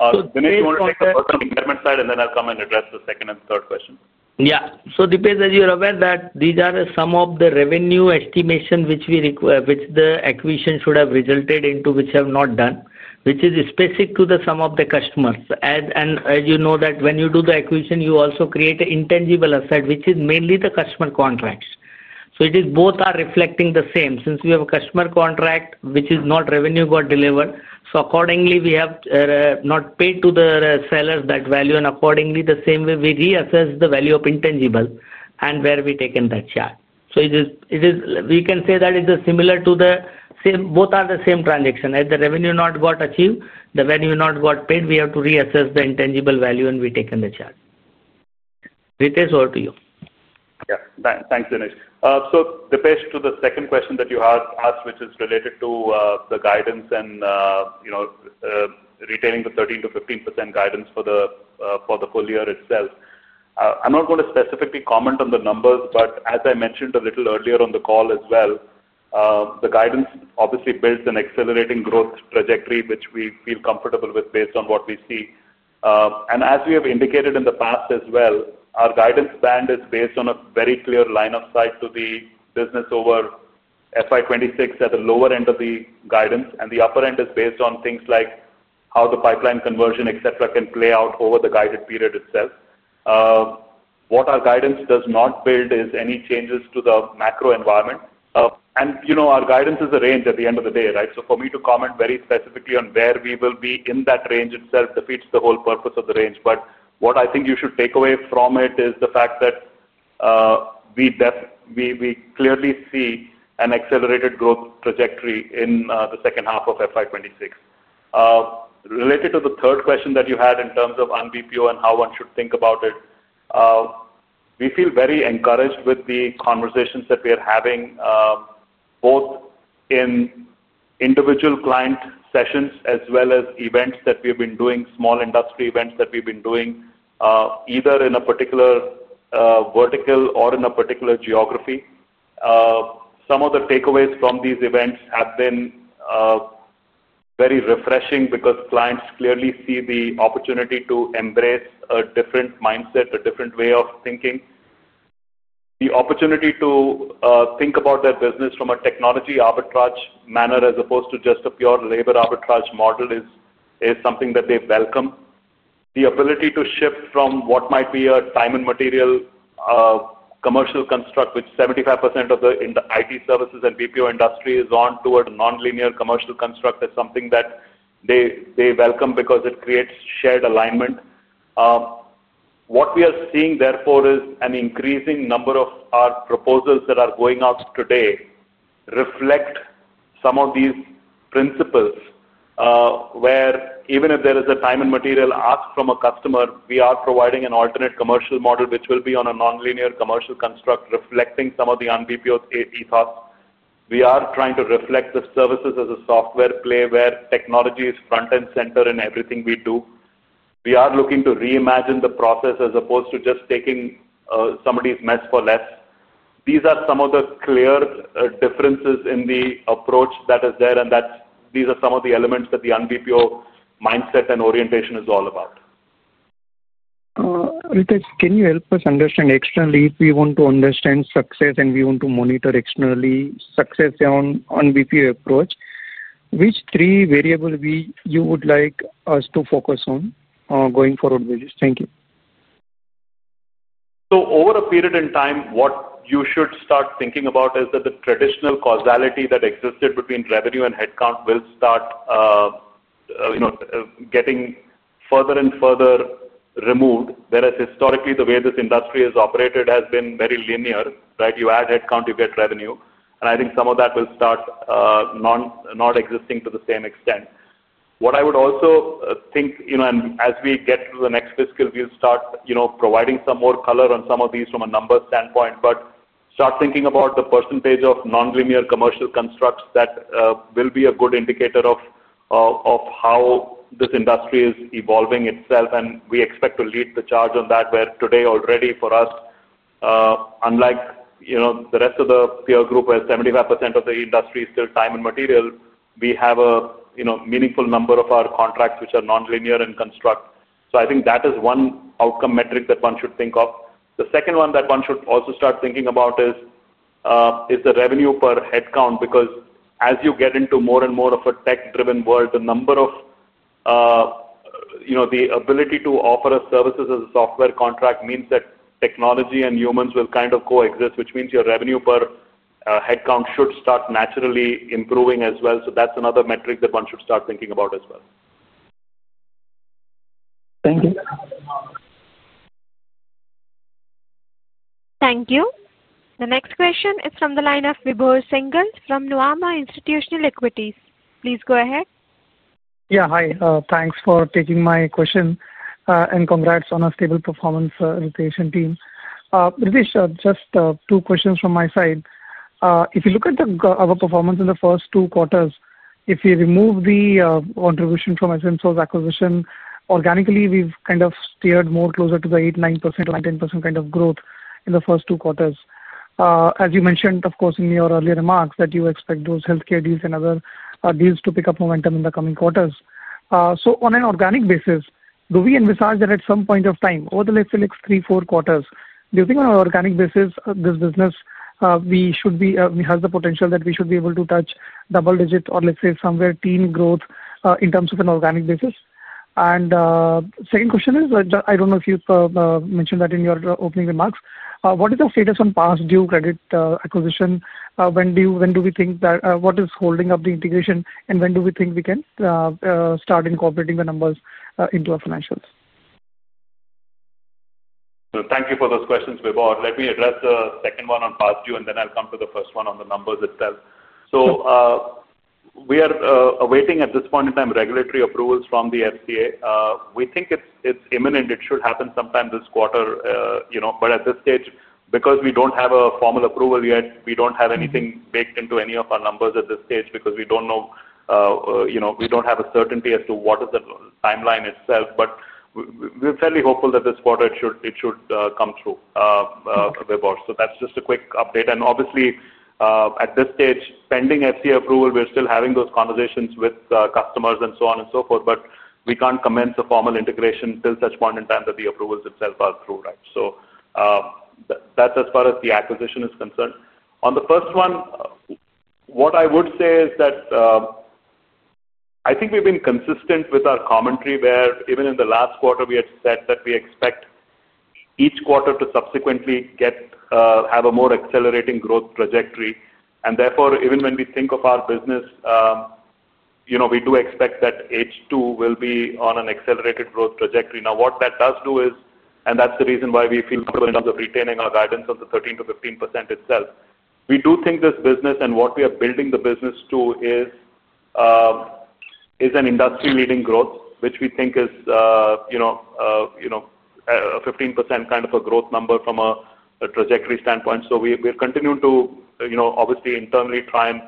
Dinesh, you want to take the first on the impairment side, and then I'll come and address the second and third question. Yeah. Dipesh, as you're aware, these are some of the revenue estimation which the acquisition should have resulted into, which have not done, which is specific to some of the customers. As you know, when you do the acquisition, you also create an intangible asset, which is mainly the customer contracts. Both are reflecting the same. Since we have a customer contract, which is not revenue got delivered, so accordingly, we have not paid to the sellers that value. Accordingly, the same way, we reassess the value of intangible and where we take in that charge. We can say that it's similar to the same; both are the same transaction. As the revenue not got achieved, the value not got paid, we have to reassess the intangible value, and we take in the charge. Ritesh, over to you. Yeah. Thanks, Dinesh. Dipesh, to the second question that you asked, which is related to the guidance and retailing the 13%-15% guidance for the full year itself. I'm not going to specifically comment on the numbers, but as I mentioned a little earlier on the call as well, the guidance obviously builds an accelerating growth trajectory, which we feel comfortable with based on what we see. As we have indicated in the past as well, our guidance band is based on a very clear line of sight to the business over FY2026 at the lower end of the guidance. The upper end is based on things like how the pipeline conversion, etc., can play out over the guided period itself. What our guidance does not build is any changes to the macro environment. Our guidance is a range at the end of the day, right? For me to comment very specifically on where we will be in that range itself defeats the whole purpose of the range. What I think you should take away from it is the fact that we clearly see an accelerated growth trajectory in the second half of FY2026. Related to the third question that you had in terms of unBPO and how one should think about it, we feel very encouraged with the conversations that we are having, both in individual client sessions as well as events that we have been doing, small industry events that we've been doing, either in a particular vertical or in a particular geography. Some of the takeaways from these events have been very refreshing because clients clearly see the opportunity to embrace a different mindset, a different way of thinking. The opportunity to think about their business from a technology arbitrage manner as opposed to just a pure labor arbitrage model is something that they welcome. The ability to shift from what might be a time and material commercial construct, which 75% of the IT services and BPO industry is on, toward a non-linear commercial construct is something that they welcome because it creates shared alignment. What we are seeing, therefore, is an increasing number of our proposals that are going out today reflect some of these principles. Where even if there is a time and material asked from a customer, we are providing an alternate commercial model which will be on a non-linear commercial construct reflecting some of the unBPO ethos. We are trying to reflect the services as a software play where technology is front and center in everything we do. We are looking to reimagine the process as opposed to just taking somebody's mess for less. These are some of the clear differences in the approach that is there. These are some of the elements that the unBPO mindset and orientation is all about. Ritesh, can you help us understand externally if we want to understand success and we want to monitor externally success on unBPO approach, which three variables you would like us to focus on going forward? Thank you. Over a period in time, what you should start thinking about is that the traditional causality that existed between revenue and headcount will start getting further and further removed. Whereas historically, the way this industry has operated has been very linear, right? You add headcount, you get revenue. I think some of that will start not existing to the same extent. What I would also think, as we get to the next fiscal year, is to start providing some more color on some of these from a numbers standpoint, but start thinking about the percentage of non-linear commercial constructs. That will be a good indicator of how this industry is evolving itself. We expect to lead the charge on that, where today already for us, unlike the rest of the peer group where 75% of the industry is still time and material, we have a meaningful number of our contracts which are non-linear in construct. I think that is one outcome metric that one should think of. The second one that one should also start thinking about is the revenue per headcount. Because as you get into more and more of a tech-driven world, the ability to offer services as a software contract means that technology and humans will kind of coexist, which means your revenue per headcount should start naturally improving as well. That's another metric that one should start thinking about as well. Thank you. Thank you. The next question is from the line of Vibhor Singhal from Nuvama Institutional Equities. Please go ahead. Yeah. Hi. Thanks for taking my question and congrats on a stable performance, Ritesh and team. Ritesh, just two questions from my side. If you look at our performance in the first two quarters, if we remove the contribution from Ascensos's acquisition, organically, we've kind of steered more closer to the 8%-9%, 9%-10% kind of growth in the first two quarters. As you mentioned, of course, in your earlier remarks that you expect those healthcare deals and other deals to pick up momentum in the coming quarters. On an organic basis, do we envisage that at some point of time, over the, let's say, next three or four quarters, do you think on an organic basis, this business has the potential that we should be able to touch double-digit or, let's say, somewhere teen growth in terms of an organic basis? The second question is, I don't know if you mentioned that in your opening remarks, what is the status on Pastdue Credit acquisition? When do we think that, what is holding up the integration, and when do we think we can start incorporating the numbers into our financials? Thank you for those questions, Vibhor. Let me address the second one on Pastdue, and then I'll come to the first one on the numbers itself. We are awaiting at this point in time regulatory approvals from the FDA. We think it's imminent. It should happen sometime this quarter. At this stage, because we don't have a formal approval yet, we don't have anything baked into any of our numbers at this stage because we don't know. We don't have a certainty as to what is the timeline itself. We're fairly hopeful that this quarter it should come through, Vibhor. That's just a quick update. Obviously, at this stage, pending FDA approval, we're still having those conversations with customers and so on and so forth. We can't commence a formal integration till such point in time that the approvals themselves are through, right? That's as far as the acquisition is concerned. On the first one, what I would say is that I think we've been consistent with our commentary where even in the last quarter, we had said that we expect each quarter to subsequently have a more accelerating growth trajectory. Therefore, even when we think of our business, we do expect that H2 will be on an accelerated growth trajectory. Now, what that does do is, and that's the reason why we feel comfortable in terms of retaining our guidance of the 13%-15% itself, we do think this business and what we are building the business to is an industry-leading growth, which we think is a 15% kind of a growth number from a trajectory standpoint. We're continuing to, obviously, internally try and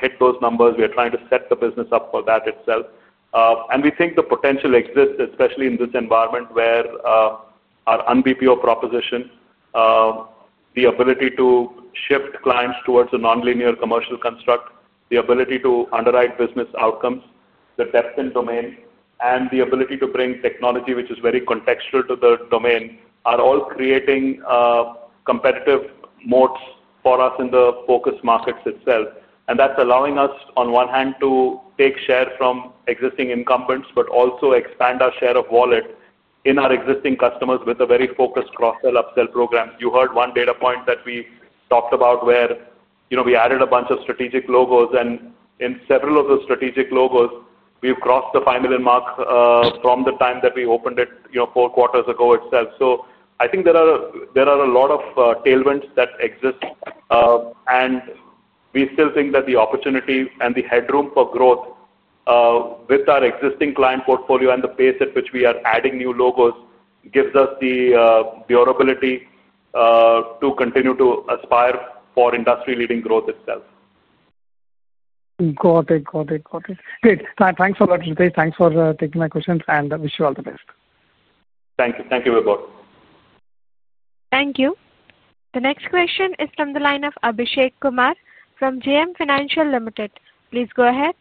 hit those numbers. We are trying to set the business up for that itself. We think the potential exists, especially in this environment where our unBPO proposition, the ability to shift clients towards a non-linear commercial construct, the ability to underwrite business outcomes, the depth in domain, and the ability to bring technology, which is very contextual to the domain, are all creating competitive motes for us in the focus markets itself. That's allowing us, on one hand, to take share from existing incumbents, but also expand our share of wallet in our existing customers with a very focused cross-sell upsell program. You heard one data point that we talked about where we added a bunch of strategic logos. In several of those strategic logos, we've crossed the $5 million mark from the time that we opened it four quarters ago itself. I think there are a lot of tailwinds that exist. We still think that the opportunity and the headroom for growth with our existing client portfolio and the pace at which we are adding new logos gives us the durability to continue to aspire for industry-leading growth itself. Got it. Got it. Got it. Great. Thanks a lot, Ritesh. Thanks for taking my questions, and I wish you all the best. Thank you. Thank you, Vibhor. Thank you. The next question is from the line of Abhishek Kumar from JM Financial Limited. Please go ahead.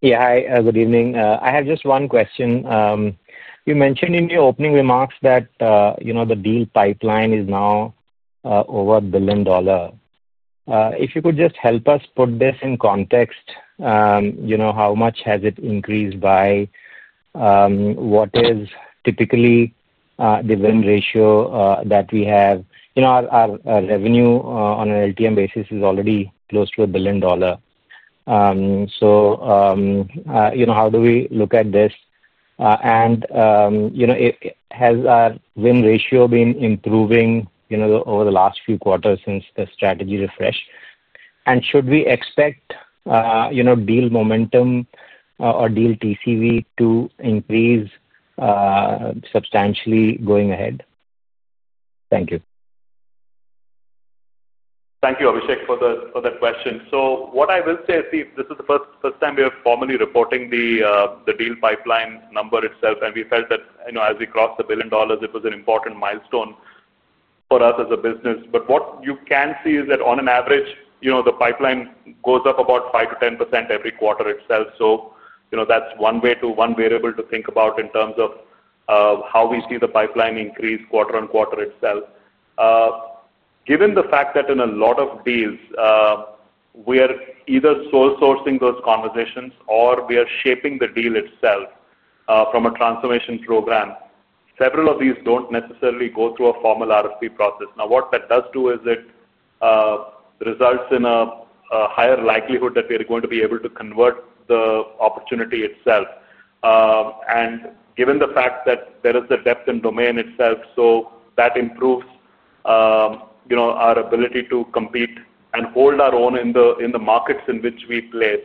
Yeah. Hi. Good evening. I have just one question. You mentioned in your opening remarks that the deal pipeline is now over a billion dollars. If you could just help us put this in context, how much has it increased by? What is typically the win ratio that we have? Our revenue on an LTM basis is already close to a billion dollars. How do we look at this? Has our win ratio been improving over the last few quarters since the strategy refresh? Should we expect deal momentum or deal TCV to increase substantially going ahead? Thank you. Thank you, Abhishek, for that question. What I will say is this is the first time we are formally reporting the deal pipeline number itself. We felt that as we crossed the billion dollars, it was an important milestone for us as a business. What you can see is that on average, the pipeline goes up about 5%-10% every quarter itself. That is one variable to think about in terms of how we see the pipeline increase quarter on quarter itself. Given the fact that in a lot of deals we are either sole-sourcing those conversations or we are shaping the deal itself from a transformation program, several of these do not necessarily go through a formal RFP process. What that does do is it results in a higher likelihood that we are going to be able to convert the opportunity itself. Given the fact that there is the depth in domain itself, that improves our ability to compete and hold our own in the markets in which we play.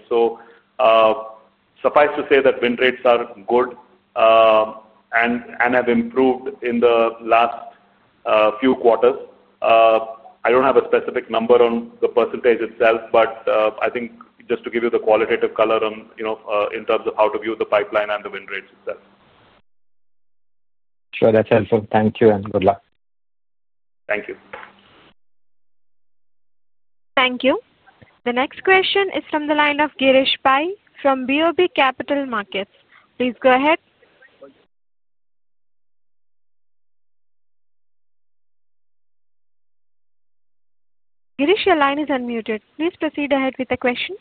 Suffice to say that win rates are good and have improved in the last few quarters. I do not have a specific number on the percentage itself, but I think just to give you the qualitative color in terms of how to view the pipeline and the win rates itself. Sure. That is helpful. Thank you. Good luck. Thank you. Thank you. The next question is from the line of Girish Pai from BOB Capital Markets. Please go ahead. Girish, your line is unmuted. Please proceed ahead with the question.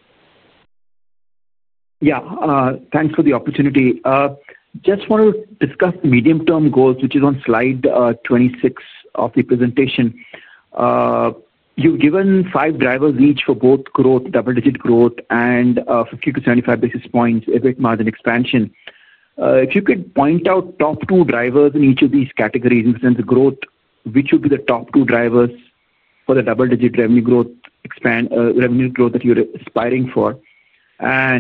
Yeah. Thanks for the opportunity. Just want to discuss medium-term goals, which is on slide 26 of the presentation. You have given five drivers each for both growth, double-digit growth, and 50-75 basis points effort margin expansion. If you could point out top two drivers in each of these categories in terms of growth, which would be the top two drivers for the double-digit revenue growth that you are aspiring for?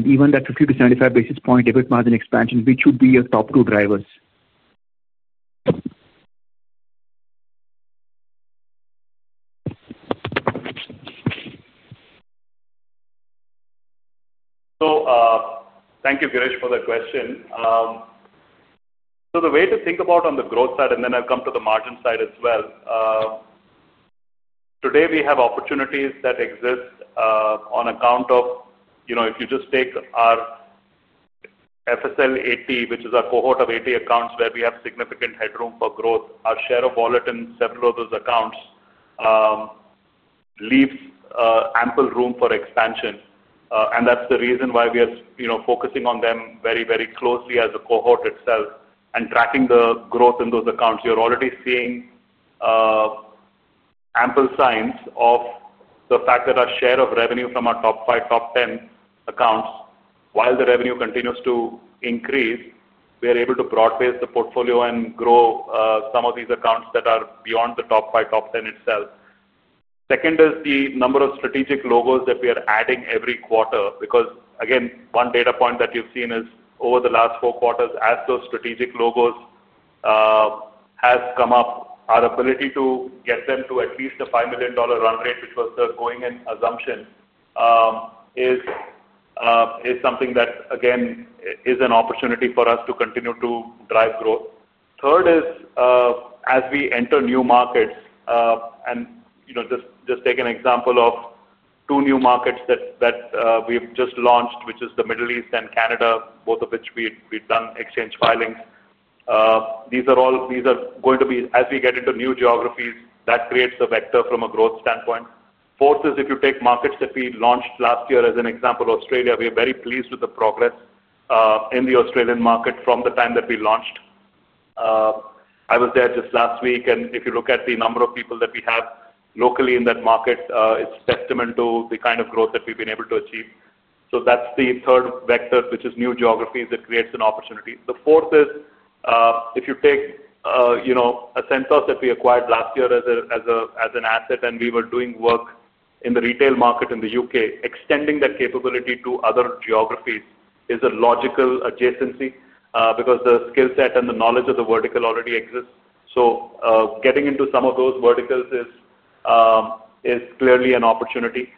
Even that 50-75 basis point effort margin expansion, which would be your top two drivers? Thank you, Girish, for the question. The way to think about on the growth side, and then I will come to the margin side as well. Today, we have opportunities that exist on account of if you just take our FSL 80, which is our cohort of 80 accounts where we have significant headroom for growth, our share of wallet in several of those accounts leaves ample room for expansion. That's the reason why we are focusing on them very, very closely as a cohort itself and tracking the growth in those accounts. You're already seeing ample signs of the fact that our share of revenue from our top five, top ten accounts, while the revenue continues to increase, we are able to broad-base the portfolio and grow some of these accounts that are beyond the top five, top ten itself. Second is the number of strategic logos that we are adding every quarter. Because, again, one data point that you've seen is over the last four quarters, as those strategic logos have come up, our ability to get them to at least a $5 million run rate, which was the going-in assumption, is something that, again, is an opportunity for us to continue to drive growth. Third is as we enter new markets. Just take an example of two new markets that we've just launched, which is the Middle East and Canada, both of which we've done exchange filings. These are going to be, as we get into new geographies, that creates a vector from a growth standpoint. Fourth is if you take markets that we launched last year as an example, Australia, we are very pleased with the progress in the Australian market from the time that we launched. I was there just last week. If you look at the number of people that we have locally in that market, it's testament to the kind of growth that we've been able to achieve. That's the third vector, which is new geographies that creates an opportunity. The fourth is if you take Ascensos that we acquired last year as an asset, and we were doing work in the retail market in the U.K., extending that capability to other geographies is a logical adjacency because the skill set and the knowledge of the vertical already exists. Getting into some of those verticals is clearly an opportunity.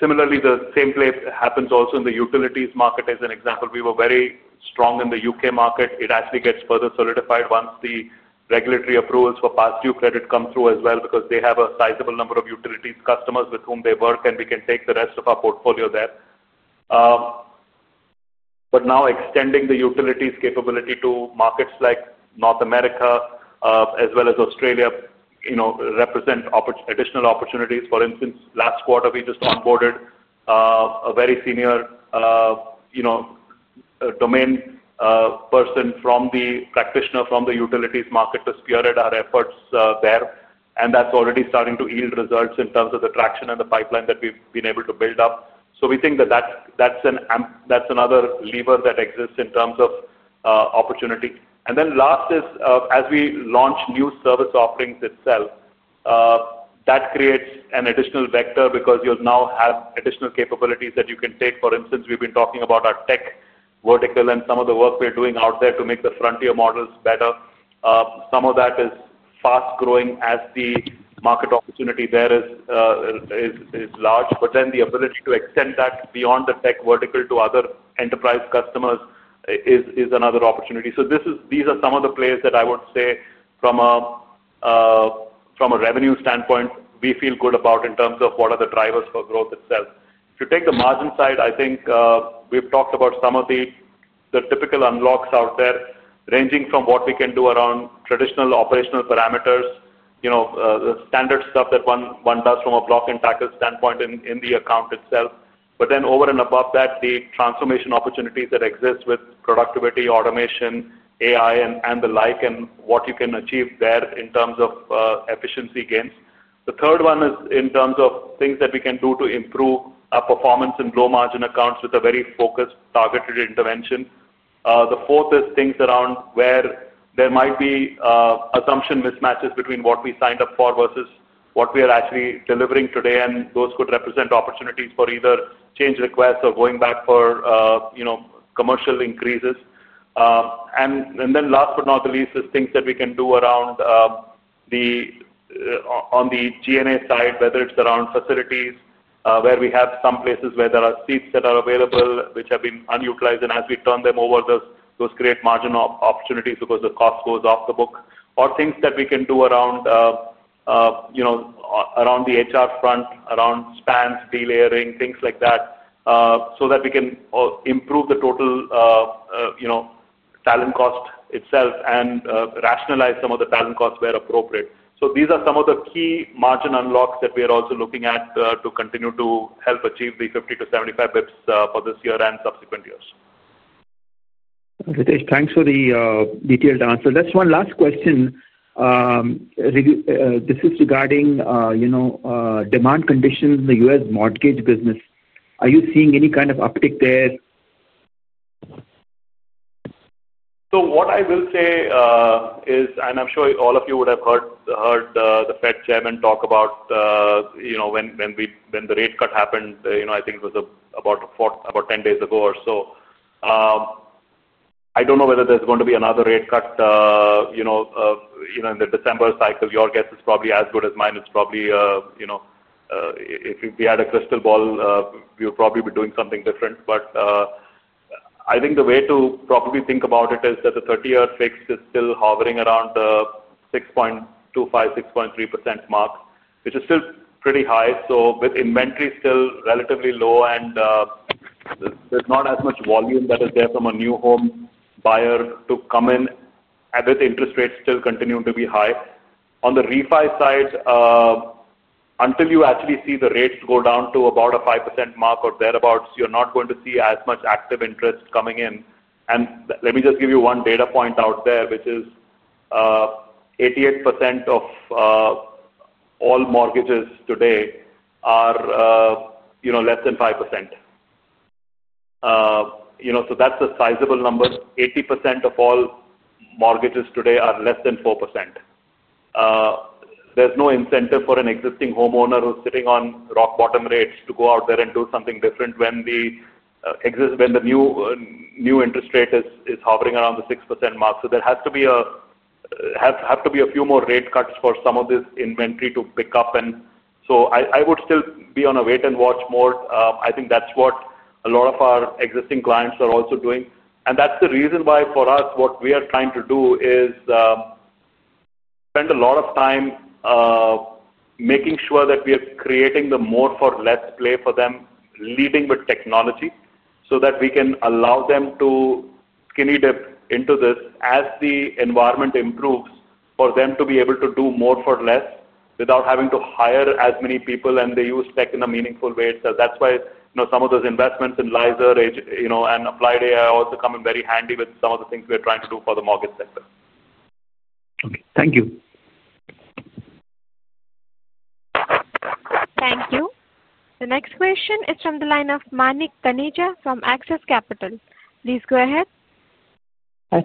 Similarly, the same play happens also in the utilities market as an example. We were very strong in the U.K. market. It actually gets further solidified once the regulatory approvals for Pastdue Credit come through as well because they have a sizable number of utilities customers with whom they work, and we can take the rest of our portfolio there. Now extending the utilities capability to markets like North America as well as Australia represent additional opportunities. For instance, last quarter, we just onboarded a very senior domain person, a practitioner from the utilities market, to spearhead our efforts there. That's already starting to yield results in terms of the traction and the pipeline that we've been able to build up. We think that that's another lever that exists in terms of opportunity. Last is, as we launch new service offerings itself, that creates an additional vector because you now have additional capabilities that you can take. For instance, we've been talking about our tech vertical and some of the work we're doing out there to make the frontier models better. Some of that is fast growing as the market opportunity there is large. But then the ability to extend that beyond the tech vertical to other enterprise customers is another opportunity. These are some of the players that I would say from a revenue standpoint, we feel good about in terms of what are the drivers for growth itself. If you take the margin side, I think we've talked about some of the typical unlocks out there, ranging from what we can do around traditional operational parameters. The standard stuff that one does from a block and tackle standpoint in the account itself. Over and above that, the transformation opportunities that exist with productivity, automation, AI, and the like, and what you can achieve there in terms of efficiency gains. The third one is in terms of things that we can do to improve our performance in low-margin accounts with a very focused targeted intervention. The fourth is things around where there might be assumption mismatches between what we signed up for versus what we are actually delivering today. Those could represent opportunities for either change requests or going back for commercial increases. Last but not the least is things that we can do around the G&A side, whether it's around facilities where we have some places where there are seats that are available which have been unutilized. As we turn them over, those create margin opportunities because the cost goes off the book. Or things that we can do around the HR front, around spans, delayering, things like that, so that we can improve the total talent cost itself and rationalize some of the talent costs where appropriate. These are some of the key margin unlocks that we are also looking at to continue to help achieve the 50-75 basis points for this year and subsequent years. Thanks for the detailed answer. Just one last question. This is regarding demand conditions in the U.S. mortgage business. Are you seeing any kind of uptick there? What I will say is, and I'm sure all of you would have heard the Fed chairman talk about when the rate cut happened. I think it was about 10 days ago or so. I don't know whether there's going to be another rate cut in the December cycle, your guess is probably as good as mine. If we had a crystal ball, we would probably be doing something different. I think the way to probably think about it is that the 30-year fixed is still hovering around the 6.25-6.3% mark, which is still pretty high. With inventory still relatively low and. There's not as much volume that is there from a new home buyer to come in, with interest rates still continuing to be high. On the refi side, until you actually see the rates go down to about a 5% mark or thereabouts, you're not going to see as much active interest coming in. Let me just give you one data point out there, which is 88% of all mortgages today are less than 5%. That's a sizable number. 80% of all mortgages today are less than 4%. There's no incentive for an existing homeowner who's sitting on rock bottom rates to go out there and do something different when the new interest rate is hovering around the 6% mark. There has to be a few more rate cuts for some of this inventory to pick up. I would still be on a wait-and-watch mode. I think that's what a lot of our existing clients are also doing. That's the reason why for us, what we are trying to do is spend a lot of time making sure that we are creating the more-for-less play for them, leading with technology so that we can allow them to skinny dip into this as the environment improves for them to be able to do more-for-less without having to hire as many people and they use tech in a meaningful way. That's why some of those investments in Lyzr and Applied AI also come in very handy with some of the things we are trying to do for the mortgage sector. Okay. Thank you. Thank you. The next question is from the line of Manik Taneja from Axis Capital. Please go ahead.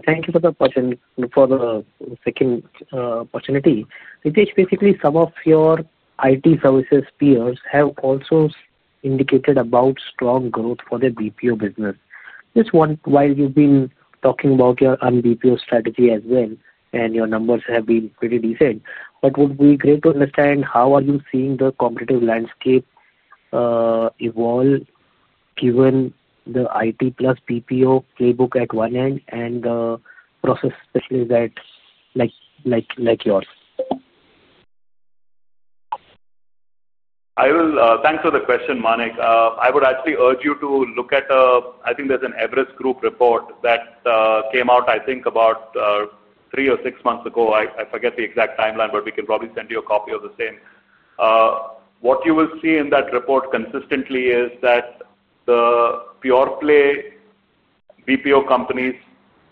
Thank you for the second opportunity. Ritesh, basically, some of your IT services peers have also indicated about strong growth for the BPO business. Just while you've been talking about your BPO strategy as well, and your numbers have been pretty decent, but it would be great to understand how are you seeing the competitive landscape evolve given the IT plus BPO playbook at one end and the process specialists like yours? Thanks for the question, Manik. I would actually urge you to look at a—I think there's an Everest Group report that came out, I think, about three or six months ago. I forget the exact timeline, but we can probably send you a copy of the same. What you will see in that report consistently is that the pure play BPO companies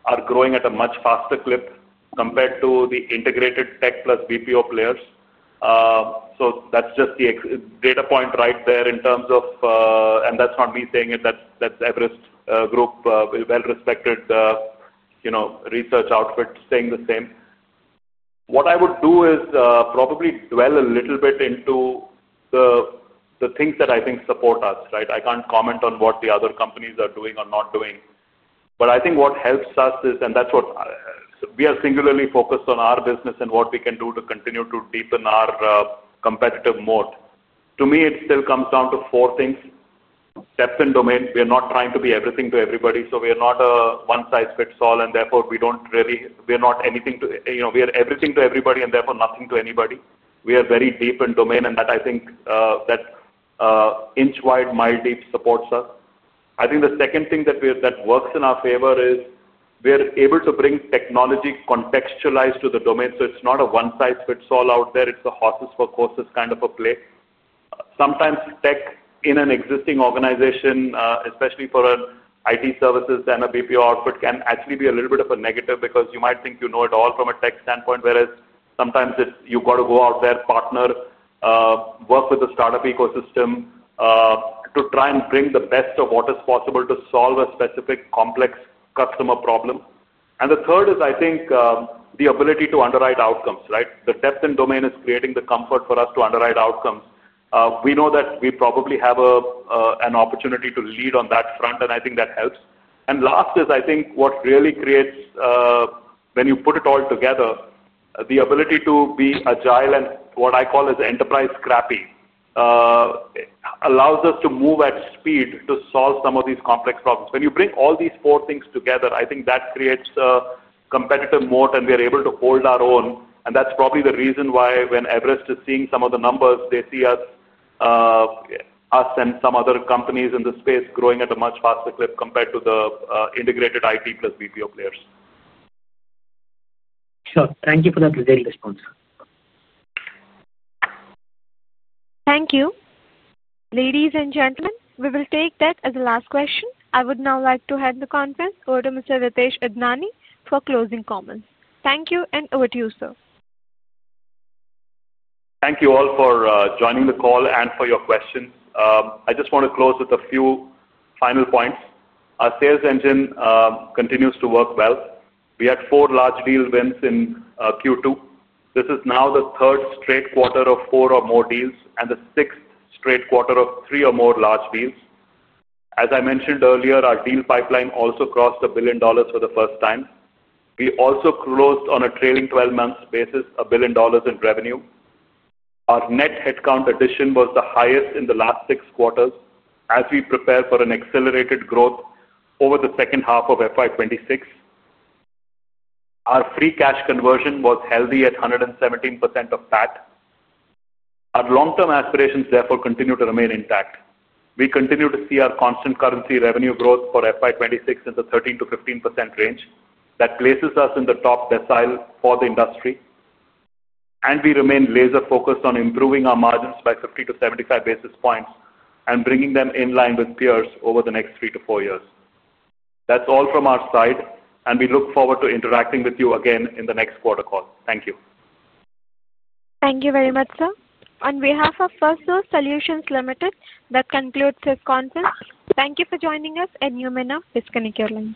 are growing at a much faster clip compared to the integrated tech plus BPO players. That's just the data point right there in terms of—and that's not me saying it. That's Everest Group, well-respected research outfit saying the same. What I would do is probably dwell a little bit into the things that I think support us, right? I can't comment on what the other companies are doing or not doing. I think what helps us is—and that is what we are singularly focused on—our business and what we can do to continue to deepen our competitive moat. To me, it still comes down to four things. Depth in domain. We are not trying to be everything to everybody. We are not a one-size-fits-all, and therefore we do not really—we are not anything to—we are everything to everybody, and therefore nothing to anybody. We are very deep in domain, and that, I think, inch-wide, mile deep, supports us. I think the second thing that works in our favor is we are able to bring technology contextualized to the domain. It is not a one-size-fits-all out there. It is a horses for courses kind of a play. Sometimes tech in an existing organization, especially for an IT services and a BPO outfit, can actually be a little bit of a negative because you might think you know it all from a tech standpoint, whereas sometimes you have got to go out there, partner, work with the startup ecosystem to try and bring the best of what is possible to solve a specific complex customer problem. The third is, I think, the ability to underwrite outcomes, right? The depth in domain is creating the comfort for us to underwrite outcomes. We know that we probably have an opportunity to lead on that front, and I think that helps. Last is, I think, what really creates, when you put it all together, the ability to be agile and what I call enterprise scrappy. It allows us to move at speed to solve some of these complex problems. When you bring all these four things together, I think that creates a competitive moat, and we are able to hold our own. That is probably the reason why when Everest is seeing some of the numbers, they see us and some other companies in the space growing at a much faster clip compared to the integrated IT plus BPO players. Sure. Thank you for that very response. Thank you. Ladies and gentlemen, we will take that as the last question. I would now like to hand the conference over to Mr. Ritesh Idnani for closing comments. Thank you, and over to you, sir. Thank you all for joining the call and for your questions. I just want to close with a few final points. Our sales engine continues to work well. We had four large deal wins in Q2. This is now the third straight quarter of four or more deals and the sixth straight quarter of three or more large deals. As I mentioned earlier, our deal pipeline also crossed $1 billion for the first time. We also closed on a trailing 12-month basis $1 billion in revenue. Our net headcount addition was the highest in the last six quarters as we prepare for accelerated growth over the second half of FY2026. Our free cash conversion was healthy at 117% of that. Our long-term aspirations, therefore, continue to remain intact. We continue to see our constant currency revenue growth for FY2026 in the 13%-15% range that places us in the top decile for the industry. We remain laser-focused on improving our margins by 50-75 basis points and bringing them in line with peers over the next three to four years. That is all from our side, and we look forward to interacting with you again in the next quarter call. Thank you. Thank you very much, sir. On behalf of Firstsource Solutions Limited, that concludes this conference. Thank you for joining us and you may now disconnect your lines.